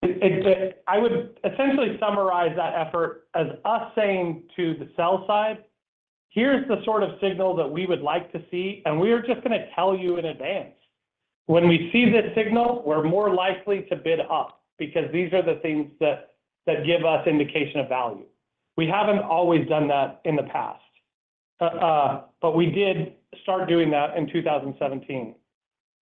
it. I would essentially summarize that effort as us saying to the sell side, "Here's the sort of signal that we would like to see, and we are just going to tell you in advance. When we see this signal, we're more likely to bid up because these are the things that give us indication of value." We haven't always done that in the past, but we did start doing that in 2017.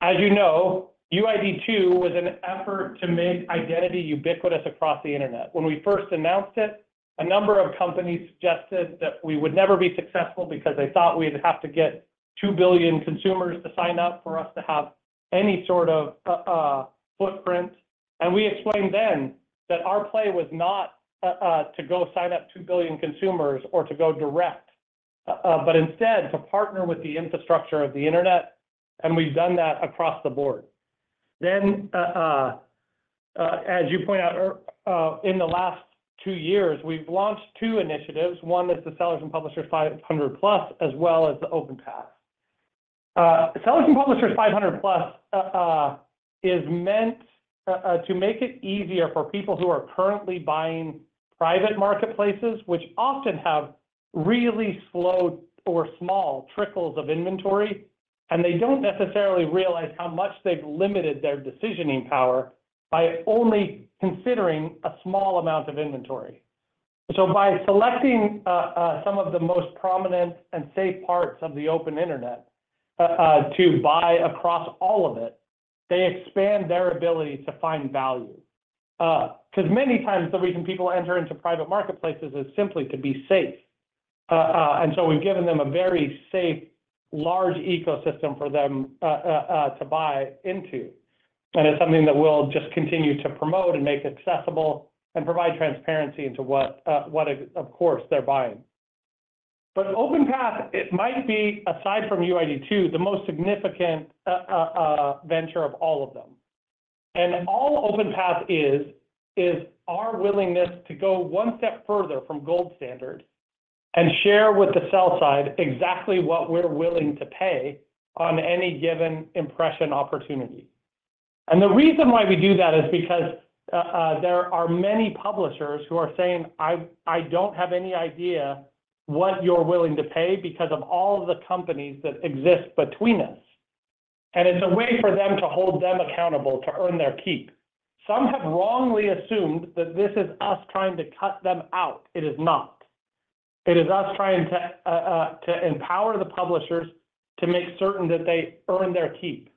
As you know, UID2 was an effort to make identity ubiquitous across the internet. When we first announced it, a number of companies suggested that we would never be successful because they thought we'd have to get two billion consumers to sign up for us to have any sort of footprint. And we explained then that our play was not to go sign up two billion consumers or to go direct, but instead to partner with the infrastructure of the internet. And we've done that across the board. Then, as you point out, in the last two years, we've launched two initiatives. One is the Sellers and Publishers 500 Plus, as well as the OpenPath. Sellers and Publishers 500 Plus is meant to make it easier for people who are currently buying private marketplaces, which often have really slow or small trickles of inventory, and they don't necessarily realize how much they've limited their decisioning power by only considering a small amount of inventory. So by selecting some of the most prominent and safe parts of the open internet to buy across all of it, they expand their ability to find value. Because many times, the reason people enter into private marketplaces is simply to be safe. And so we've given them a very safe, large ecosystem for them to buy into. And it's something that we'll just continue to promote and make accessible and provide transparency into what, of course, they're buying. But OpenPath, it might be, aside from UID2, the most significant venture of all of them. And all OpenPath is our willingness to go one step further from gold standard and share with the sell side exactly what we're willing to pay on any given impression opportunity. And the reason why we do that is because there are many publishers who are saying, "I don't have any idea what you're willing to pay because of all of the companies that exist between us." And it's a way for them to hold them accountable to earn their keep. Some have wrongly assumed that this is us trying to cut them out. It is not. It is us trying to empower the publishers to make certain that they earn their keep.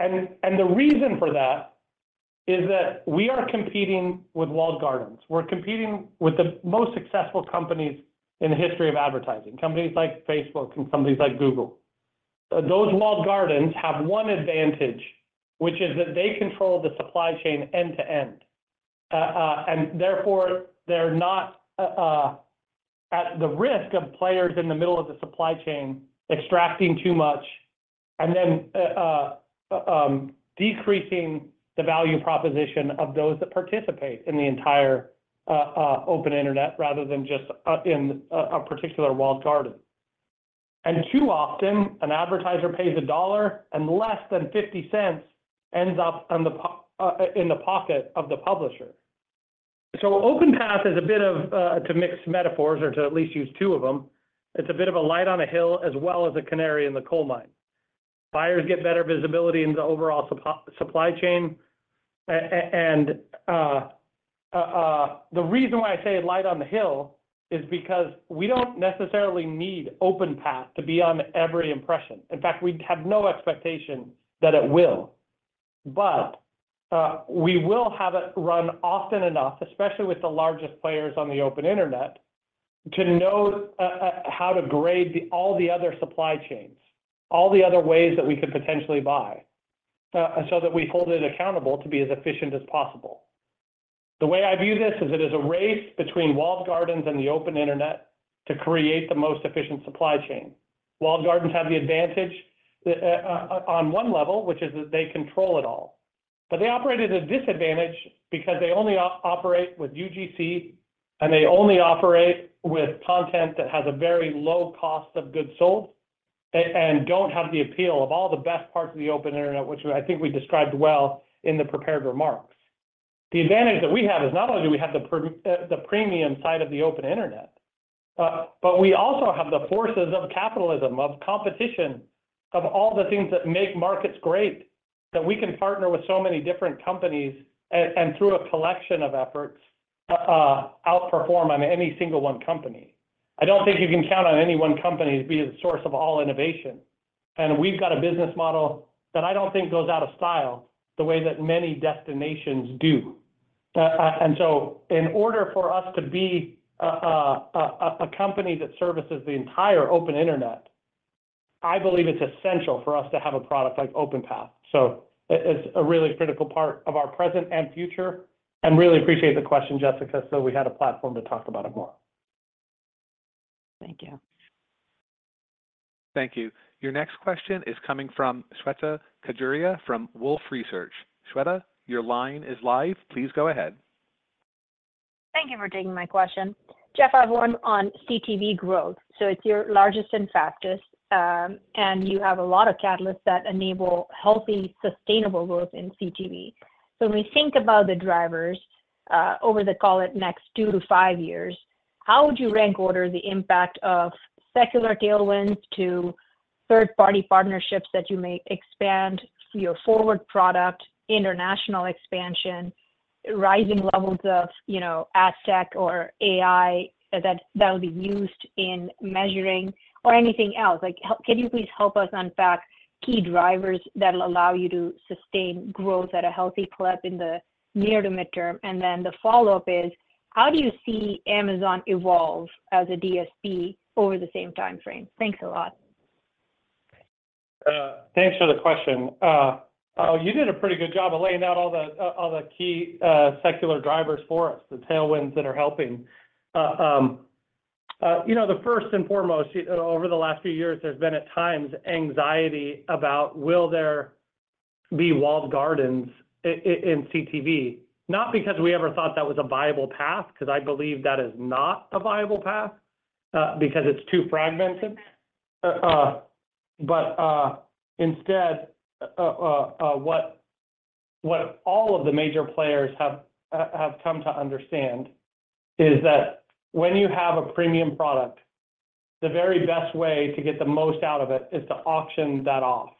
And the reason for that is that we are competing with walled gardens. We're competing with the most successful companies in the history of advertising, companies like Facebook and companies like Google. Those walled gardens have one advantage, which is that they control the supply chain end to end, and therefore, they're not at the risk of players in the middle of the supply chain extracting too much and then decreasing the value proposition of those that participate in the entire open internet rather than just in a particular walled garden, and too often, an advertiser pays $1, and less than $0.50 ends up in the pocket of the publisher. So OpenPath is a bit of, to mix metaphors or to at least use two of them, it's a bit of a light on a hill as well as a canary in the coal mine. Buyers get better visibility in the overall supply chain. And the reason why I say a light on the hill is because we don't necessarily need OpenPath to be on every impression. In fact, we have no expectation that it will. But we will have it run often enough, especially with the largest players on the open internet, to know how to grade all the other supply chains, all the other ways that we could potentially buy, so that we hold it accountable to be as efficient as possible. The way I view this is it is a race between walled gardens and the open internet to create the most efficient supply chain. Walled gardens have the advantage on one level, which is that they control it all. But they operate at a disadvantage because they only operate with UGC, and they only operate with content that has a very low cost of goods sold and don't have the appeal of all the best parts of the open internet, which I think we described well in the prepared remarks. The advantage that we have is not only do we have the premium side of the open internet, but we also have the forces of capitalism, of competition, of all the things that make markets great, that we can partner with so many different companies and, through a collection of efforts, outperform on any single one company. I don't think you can count on any one company to be the source of all innovation. And we've got a business model that I don't think goes out of style the way that many destinations do. And so in order for us to be a company that services the entire open internet, I believe it's essential for us to have a product like OpenPath. So it's a really critical part of our present and future. And really appreciate the question, Jessica, so we had a platform to talk about it more. Thank you. Thank you. Your next question is coming from Shweta Khajuria from Wolfe Research. Shweta, your line is live. Please go ahead. Thank you for taking my question. Jeff, I have one on CTV growth. So it's your largest and fastest, and you have a lot of catalysts that enable healthy, sustainable growth in CTV. So when we think about the drivers over the, call it, next two to five years, how would you rank order the impact of secular tailwinds to third-party partnerships that you may expand your forward product, international expansion, rising levels of ad tech or AI that will be used in measuring, or anything else? Can you please help us unpack key drivers that will allow you to sustain growth at a healthy clip in the near to midterm? And then the follow-up is, how do you see Amazon evolve as a DSP over the same timeframe? Thanks a lot. Thanks for the question. You did a pretty good job of laying out all the key secular drivers for us, the tailwinds that are helping. The first and foremost, over the last few years, there's been at times anxiety about will there be walled gardens in CTV? Not because we ever thought that was a viable path, because I believe that is not a viable path because it's too fragmented, but instead, what all of the major players have come to understand is that when you have a premium product, the very best way to get the most out of it is to auction that off,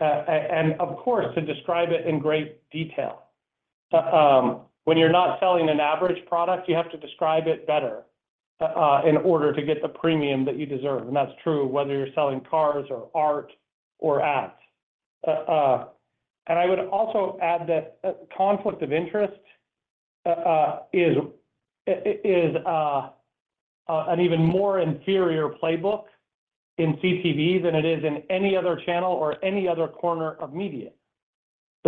and of course, to describe it in great detail. When you're not selling an average product, you have to describe it better in order to get the premium that you deserve, and that's true whether you're selling cars or art or ads, and I would also add that conflict of interest is an even more inferior playbook in CTV than it is in any other channel or any other corner of media.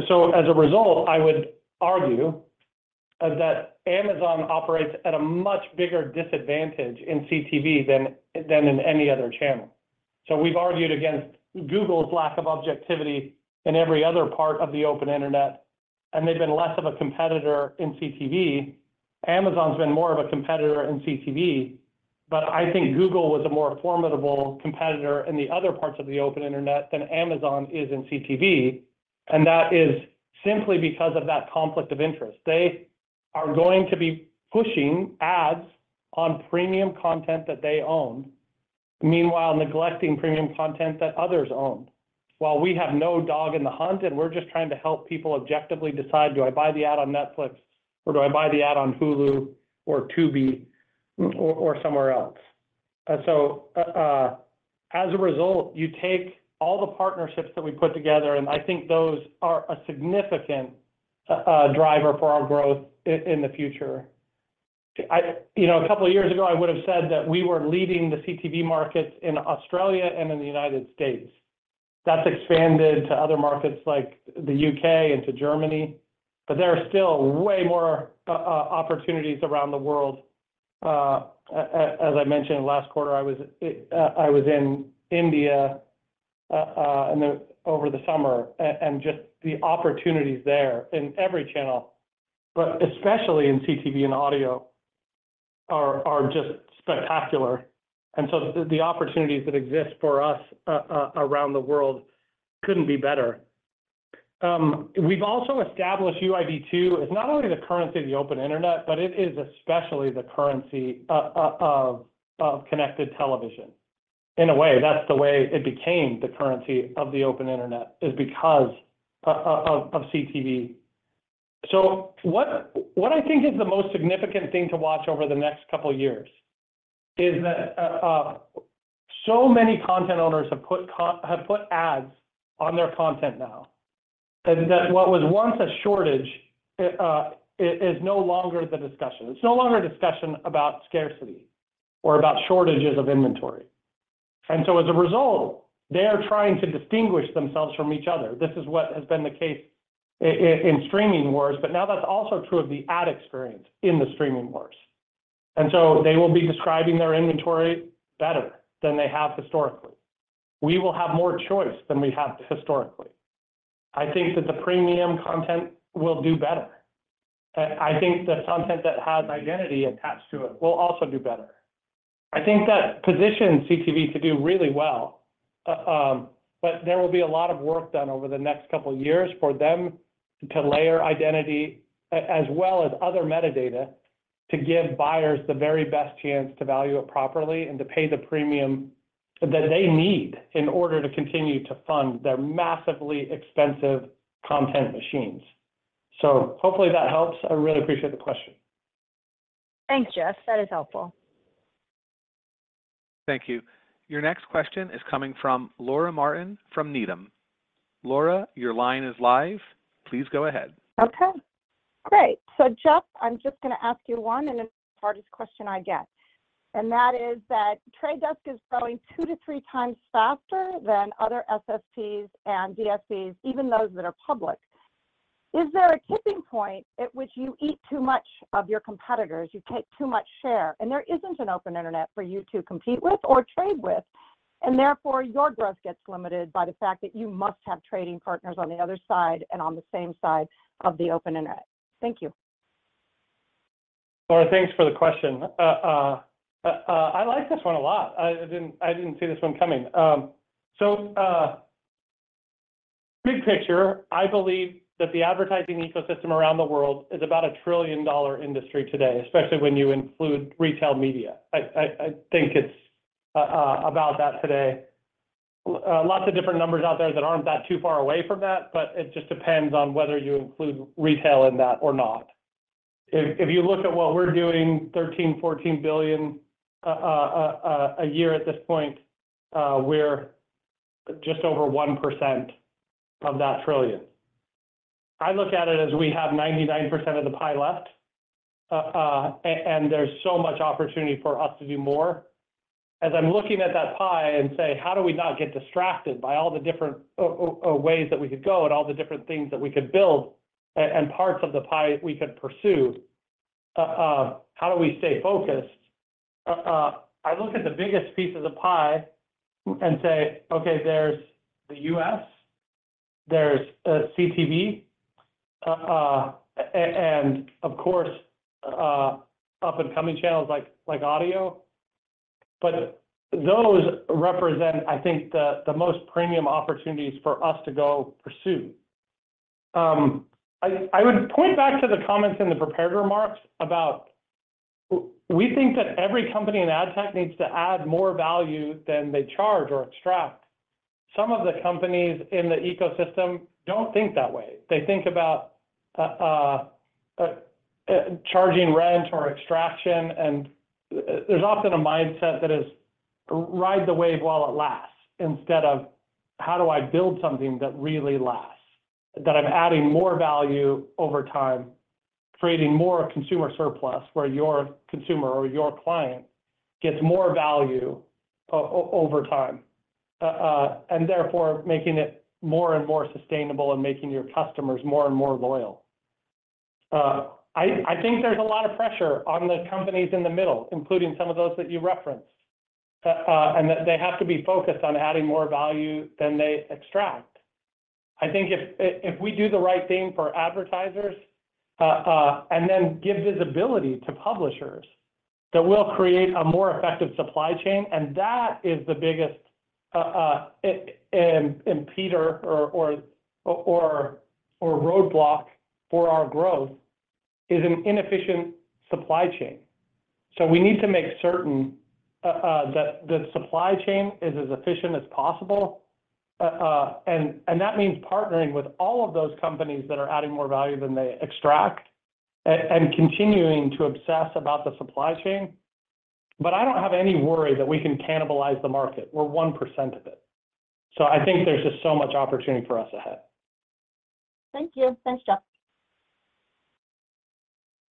So as a result, I would argue that Amazon operates at a much bigger disadvantage in CTV than in any other channel. So we've argued against Google's lack of objectivity in every other part of the open internet, and they've been less of a competitor in CTV. Amazon's been more of a competitor in CTV, but I think Google was a more formidable competitor in the other parts of the open internet than Amazon is in CTV. And that is simply because of that conflict of interest. They are going to be pushing ads on premium content that they own, meanwhile neglecting premium content that others own. While we have no dog in the hunt, and we're just trying to help people objectively decide, "Do I buy the ad on Netflix, or do I buy the ad on Hulu, or Tubi, or somewhere else?" So as a result, you take all the partnerships that we put together, and I think those are a significant driver for our growth in the future. A couple of years ago, I would have said that we were leading the CTV markets in Australia and in the United States. That's expanded to other markets like the U.K. and to Germany, but there are still way more opportunities around the world. As I mentioned, last quarter, I was in India over the summer, and just the opportunities there in every channel, but especially in CTV and audio, are just spectacular. The opportunities that exist for us around the world couldn't be better. We've also established UID2 as not only the currency of the open internet, but it is especially the currency of connected television. In a way, that's the way it became the currency of the open internet is because of CTV. What I think is the most significant thing to watch over the next couple of years is that so many content owners have put ads on their content now that what was once a shortage is no longer the discussion. It's no longer a discussion about scarcity or about shortages of inventory. As a result, they are trying to distinguish themselves from each other. This is what has been the case in streaming wars, but now that's also true of the ad experience in the streaming wars. So they will be describing their inventory better than they have historically. We will have more choice than we have historically. I think that the premium content will do better. I think the content that has identity attached to it will also do better. I think that positions CTV to do really well, but there will be a lot of work done over the next couple of years for them to layer identity as well as other metadata to give buyers the very best chance to value it properly and to pay the premium that they need in order to continue to fund their massively expensive content machines. So hopefully that helps. I really appreciate the question. Thanks, Jeff. That is helpful. Thank you. Your next question is coming from Laura Martin from Needham. Laura, your line is live. Please go ahead. Okay. Great. So Jeff, I'm just going to ask you one and the hardest question I get. And that is that The Trade Desk is growing two to three times faster than other SSPs and DSPs, even those that are public. Is there a tipping point at which you eat too much of your competitors? You take too much share. And there isn't an open internet for you to compete with or trade with. And therefore, your growth gets limited by the fact that you must have trading partners on the other side and on the same side of the open internet. Thank you. Laura, thanks for the question. I like this one a lot. I didn't see this one coming. So big picture, I believe that the advertising ecosystem around the world is about a $1 trillion industry today, especially when you include retail media. I think it's about that today. Lots of different numbers out there that aren't that too far away from that, but it just depends on whether you include retail in that or not. If you look at what we're doing, 13-14 billion a year at this point, we're just over 1% of that trillion. I look at it as we have 99% of the pie left, and there's so much opportunity for us to do more. As I'm looking at that pie and say, "How do we not get distracted by all the different ways that we could go and all the different things that we could build and parts of the pie we could pursue? How do we stay focused?" I look at the biggest pieces of pie and say, "Okay, there's the U.S., there's CTV, and of course, up-and-coming channels like audio." But those represent, I think, the most premium opportunities for us to go pursue. I would point back to the comments in the prepared remarks about we think that every company in ad tech needs to add more value than they charge or extract. Some of the companies in the ecosystem don't think that way. They think about charging rent or extraction, and there's often a mindset that is ride the wave while it lasts instead of, "How do I build something that really lasts that I'm adding more value over time, creating more consumer surplus where your consumer or your client gets more value over time?" And therefore, making it more and more sustainable and making your customers more and more loyal. I think there's a lot of pressure on the companies in the middle, including some of those that you referenced, and that they have to be focused on adding more value than they extract. I think if we do the right thing for advertisers and then give visibility to publishers, that will create a more effective supply chain. And that is the biggest impeder or roadblock for our growth is an inefficient supply chain. So we need to make certain that the supply chain is as efficient as possible. And that means partnering with all of those companies that are adding more value than they extract and continuing to obsess about the supply chain. But I don't have any worry that we can cannibalize the market. We're 1% of it. So I think there's just so much opportunity for us ahead. Thank you. Thanks, Jeff.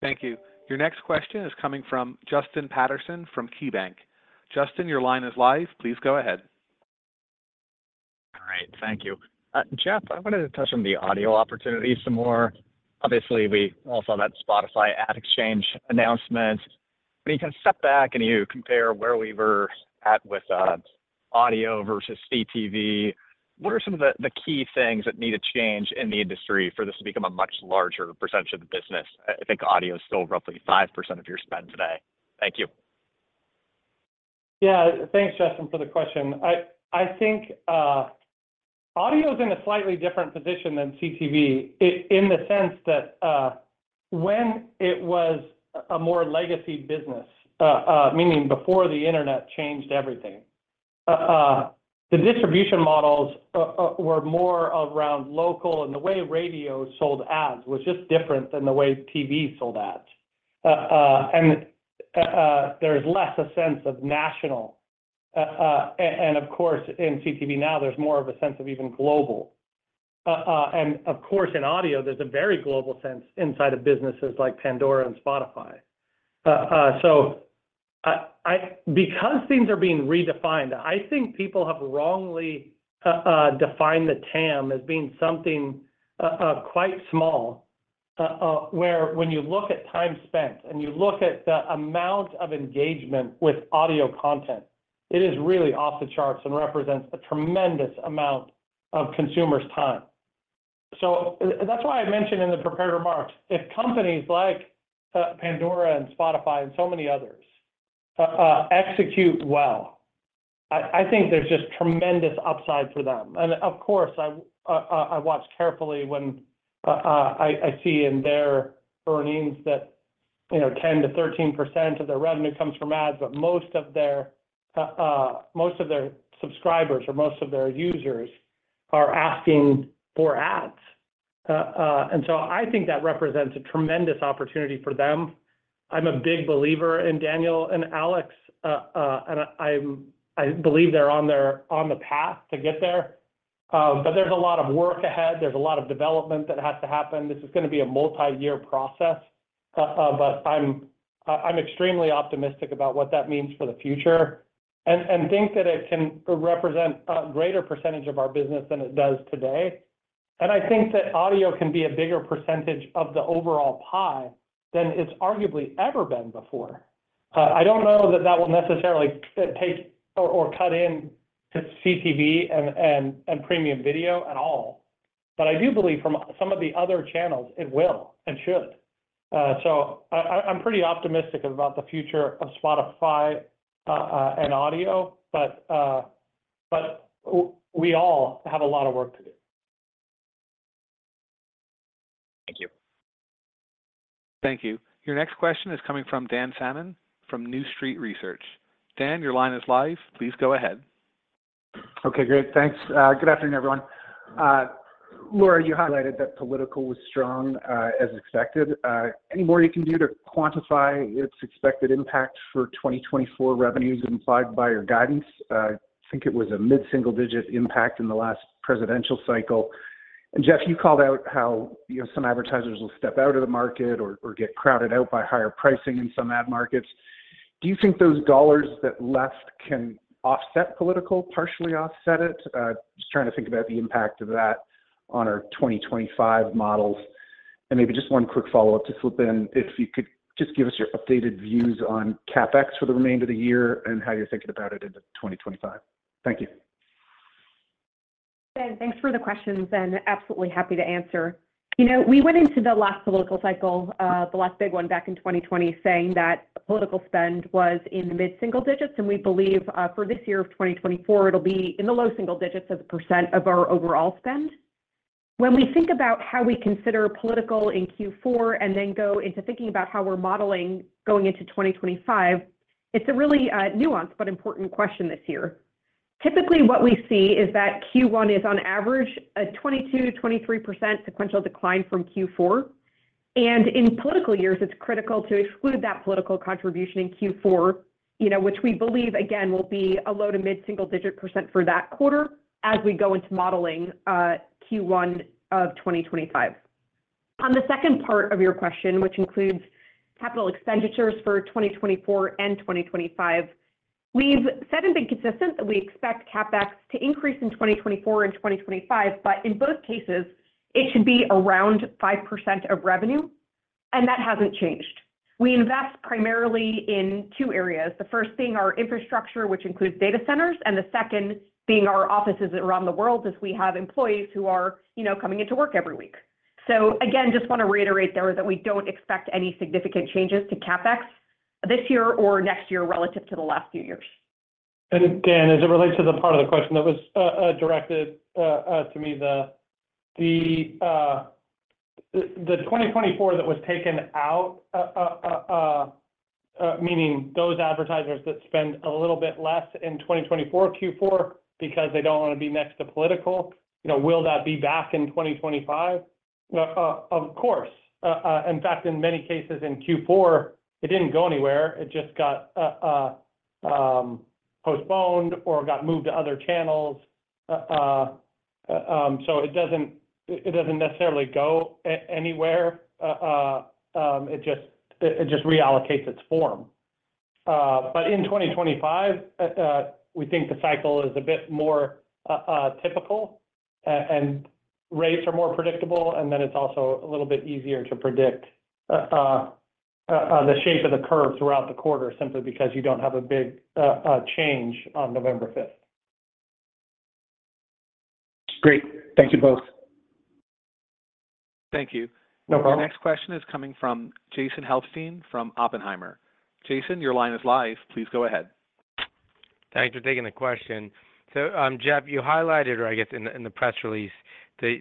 Thank you. Your next question is coming from Justin Patterson from KeyBanc. Justin, your line is live. Please go ahead. All right. Thank you. Jeff, I wanted to touch on the audio opportunities some more. Obviously, we all saw that Spotify ad exchange announcement. When you kind of step back and you compare where we were at with audio versus CTV, what are some of the key things that need to change in the industry for this to become a much larger percentage of the business? I think audio is still roughly 5% of your spend today. Thank you. Yeah. Thanks, Justin, for the question. I think audio is in a slightly different position than CTV in the sense that when it was a more legacy business, meaning before the internet changed everything, the distribution models were more around local, and the way radio sold ads was just different than the way TV sold ads. And there's less a sense of national. And of course, in CTV now, there's more of a sense of even global. And of course, in audio, there's a very global sense inside of businesses like Pandora and Spotify. So because things are being redefined, I think people have wrongly defined the TAM as being something quite small where when you look at time spent and you look at the amount of engagement with audio content, it is really off the charts and represents a tremendous amount of consumers' time. So that's why I mentioned in the prepared remarks, if companies like Pandora and Spotify and so many others execute well, I think there's just tremendous upside for them. And of course, I watch carefully when I see in their earnings that 10% to 13% of their revenue comes from ads, but most of their subscribers or most of their users are asking for ads. And so I think that represents a tremendous opportunity for them. I'm a big believer in Daniel and Alex, and I believe they're on the path to get there. But there's a lot of work ahead. There's a lot of development that has to happen. This is going to be a multi-year process, but I'm extremely optimistic about what that means for the future and think that it can represent a greater percentage of our business than it does today. And I think that audio can be a bigger percentage of the overall pie than it's arguably ever been before. I don't know that that will necessarily take or cut into CTV and premium video at all, but I do believe from some of the other channels, it will and should. So I'm pretty optimistic about the future of Spotify and audio, but we all have a lot of work to do. Thank you. Thank you. Your next question is coming from Dan Salmon from New Street Research. Dan, your line is live. Please go ahead. Okay. Great. Thanks. Good afternoon, everyone. Laura, you highlighted that political was strong as expected. Any more you can do to quantify its expected impact for 2024 revenues implied by your guidance? I think it was a mid-single-digit impact in the last presidential cycle. And Jeff, you called out how some advertisers will step out of the market or get crowded out by higher pricing in some ad markets. Do you think those dollars that left can offset political, partially offset it? Just trying to think about the impact of that on our 2025 models. And maybe just one quick follow-up to slip in, if you could just give us your updated views on CapEx for the remainder of the year and how you're thinking about it into 2025. Thank you. Thanks for the questions, and absolutely happy to answer. We went into the last political cycle, the last big one back in 2020, saying that political spend was in the mid-single digits, and we believe for this year of 2024, it'll be in the low single digits as a % of our overall spend. When we think about how we consider political in Q4 and then go into thinking about how we're modeling going into 2025, it's a really nuanced but important question this year. Typically, what we see is that Q1 is on average a 22-23% sequential decline from Q4, and in political years, it's critical to exclude that political contribution in Q4, which we believe, again, will be a low- to mid-single-digit % for that quarter as we go into modeling Q1 of 2025. On the second part of your question, which includes capital expenditures for 2024 and 2025, we've said and been consistent that we expect CapEx to increase in 2024 and 2025, but in both cases, it should be around 5% of revenue. And that hasn't changed. We invest primarily in two areas. The first being our infrastructure, which includes data centers, and the second being our offices around the world as we have employees who are coming into work every week. So again, just want to reiterate there that we don't expect any significant changes to CapEx this year or next year relative to the last few years. And Dan, as it relates to the part of the question that was directed to me, the 2024 that was taken out, meaning those advertisers that spend a little bit less in 2024, Q4, because they don't want to be next to political, will that be back in 2025? Of course. In fact, in many cases in Q4, it didn't go anywhere. It just got postponed or got moved to other channels. So it doesn't necessarily go anywhere. It just reallocates its form. But in 2025, we think the cycle is a bit more typical, and rates are more predictable, and then it's also a little bit easier to predict the shape of the curve throughout the quarter simply because you don't have a big change on November 5th. Great. Thank you both. Thank you. Your next question is coming from Jason Helfstein from Oppenheimer. Jason, your line is live. Please go ahead. Thanks for taking the question. So Jeff, you highlighted, or I guess in the press release, the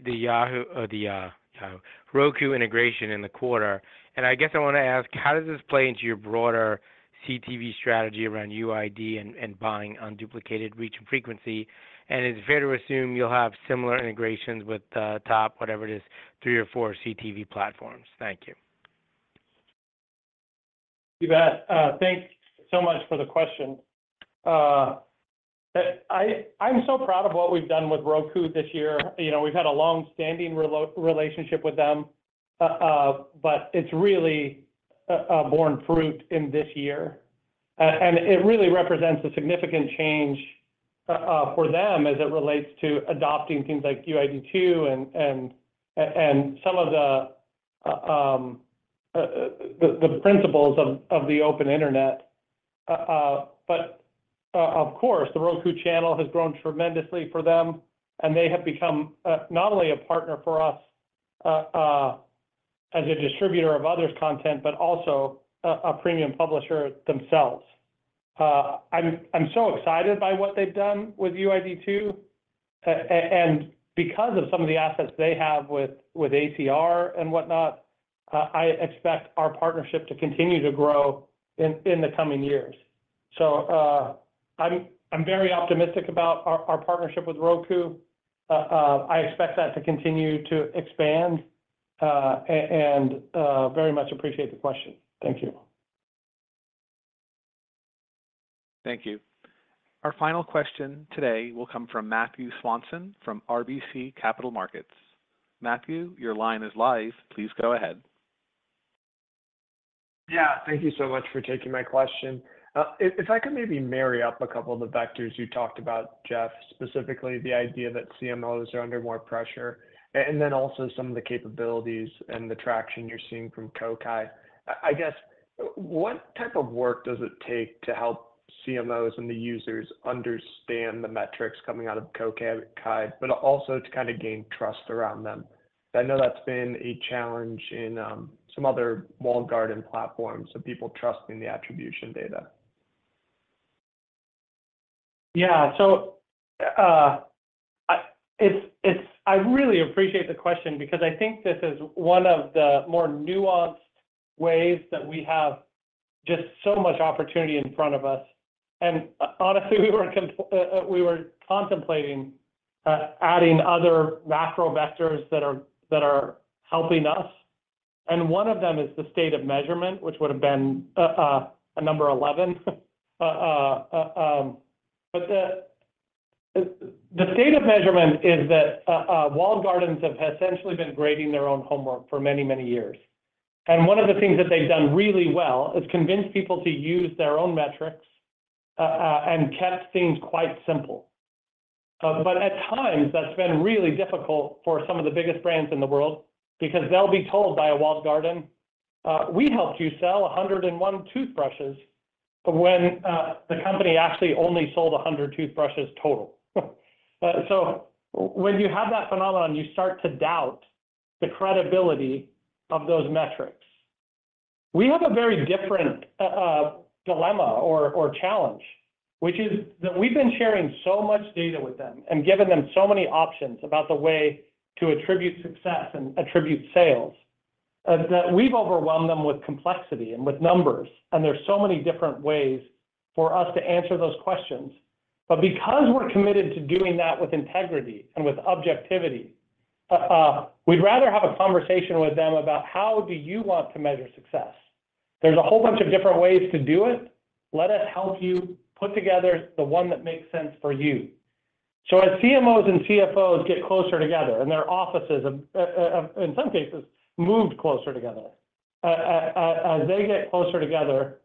Roku integration in the quarter. And I guess I want to ask, how does this play into your broader CTV strategy around UID and buying on duplicated reach and frequency? And is it fair to assume you'll have similar integrations with top, whatever it is, three or four CTV platforms? Thank you. You bet. Thanks so much for the question. I'm so proud of what we've done with Roku this year. We've had a long-standing relationship with them, but it's really borne fruit in this year. And it really represents a significant change for them as it relates to adopting things like UID2 and some of the principles of the open internet. But of course, the Roku Channel has grown tremendously for them, and they have become not only a partner for us as a distributor of others' content, but also a premium publisher themselves. I'm so excited by what they've done with UID2. And because of some of the assets they have with ACR and whatnot, I expect our partnership to continue to grow in the coming years. So I'm very optimistic about our partnership with Roku. I expect that to continue to expand and very much appreciate the question. Thank you. Thank you. Our final question today will come from Matthew Swanson from RBC Capital Markets. Matthew, your line is live. Please go ahead. Yeah. Thank you so much for taking my question. If I could maybe marry up a couple of the vectors you talked about, Jeff, specifically the idea that CMOs are under more pressure, and then also some of the capabilities and the traction you're seeing from Kokai. I guess, what type of work does it take to help CMOs and the users understand the metrics coming out of Kokai, but also to kind of gain trust around them? I know that's been a challenge in some other walled garden platforms of people trusting the attribution data, yeah, so I really appreciate the question because I think this is one of the more nuanced ways that we have just so much opportunity in front of us, and honestly, we were contemplating adding other macro vectors that are helping us, and one of them is the state of measurement, which would have been a number 11. But the state of measurement is that walled gardens have essentially been grading their own homework for many, many years. And one of the things that they've done really well is convinced people to use their own metrics and kept things quite simple. But at times, that's been really difficult for some of the biggest brands in the world because they'll be told by a walled garden, "We helped you sell 101 toothbrushes when the company actually only sold 100 toothbrushes total." So when you have that phenomenon, you start to doubt the credibility of those metrics. We have a very different dilemma or challenge, which is that we've been sharing so much data with them and given them so many options about the way to attribute success and attribute sales that we've overwhelmed them with complexity and with numbers. And there's so many different ways for us to answer those questions. But because we're committed to doing that with integrity and with objectivity, we'd rather have a conversation with them about how do you want to measure success. There's a whole bunch of different ways to do it. Let us help you put together the one that makes sense for you. So as CMOs and CFOs get closer together and their offices, in some cases, moved closer together, as they get closer together,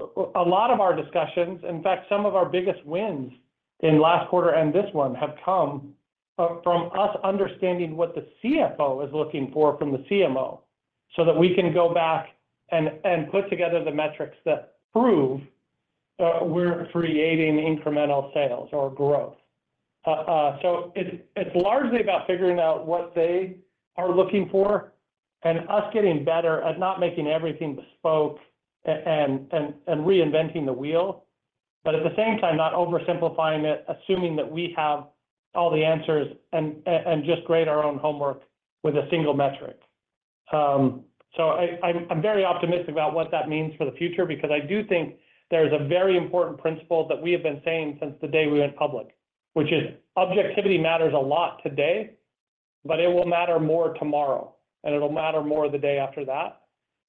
a lot of our discussions, in fact, some of our biggest wins in last quarter and this one have come from us understanding what the CFO is looking for from the CMO so that we can go back and put together the metrics that prove we're creating incremental sales or growth. So it's largely about figuring out what they are looking for and us getting better at not making everything bespoke and reinventing the wheel, but at the same time, not oversimplifying it, assuming that we have all the answers and just grade our own homework with a single metric. So I'm very optimistic about what that means for the future because I do think there's a very important principle that we have been saying since the day we went public, which is objectivity matters a lot today, but it will matter more tomorrow, and it'll matter more the day after that.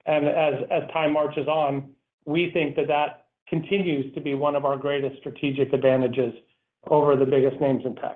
And as time marches on, we think that that continues to be one of our greatest strategic advantages over the biggest names in tech.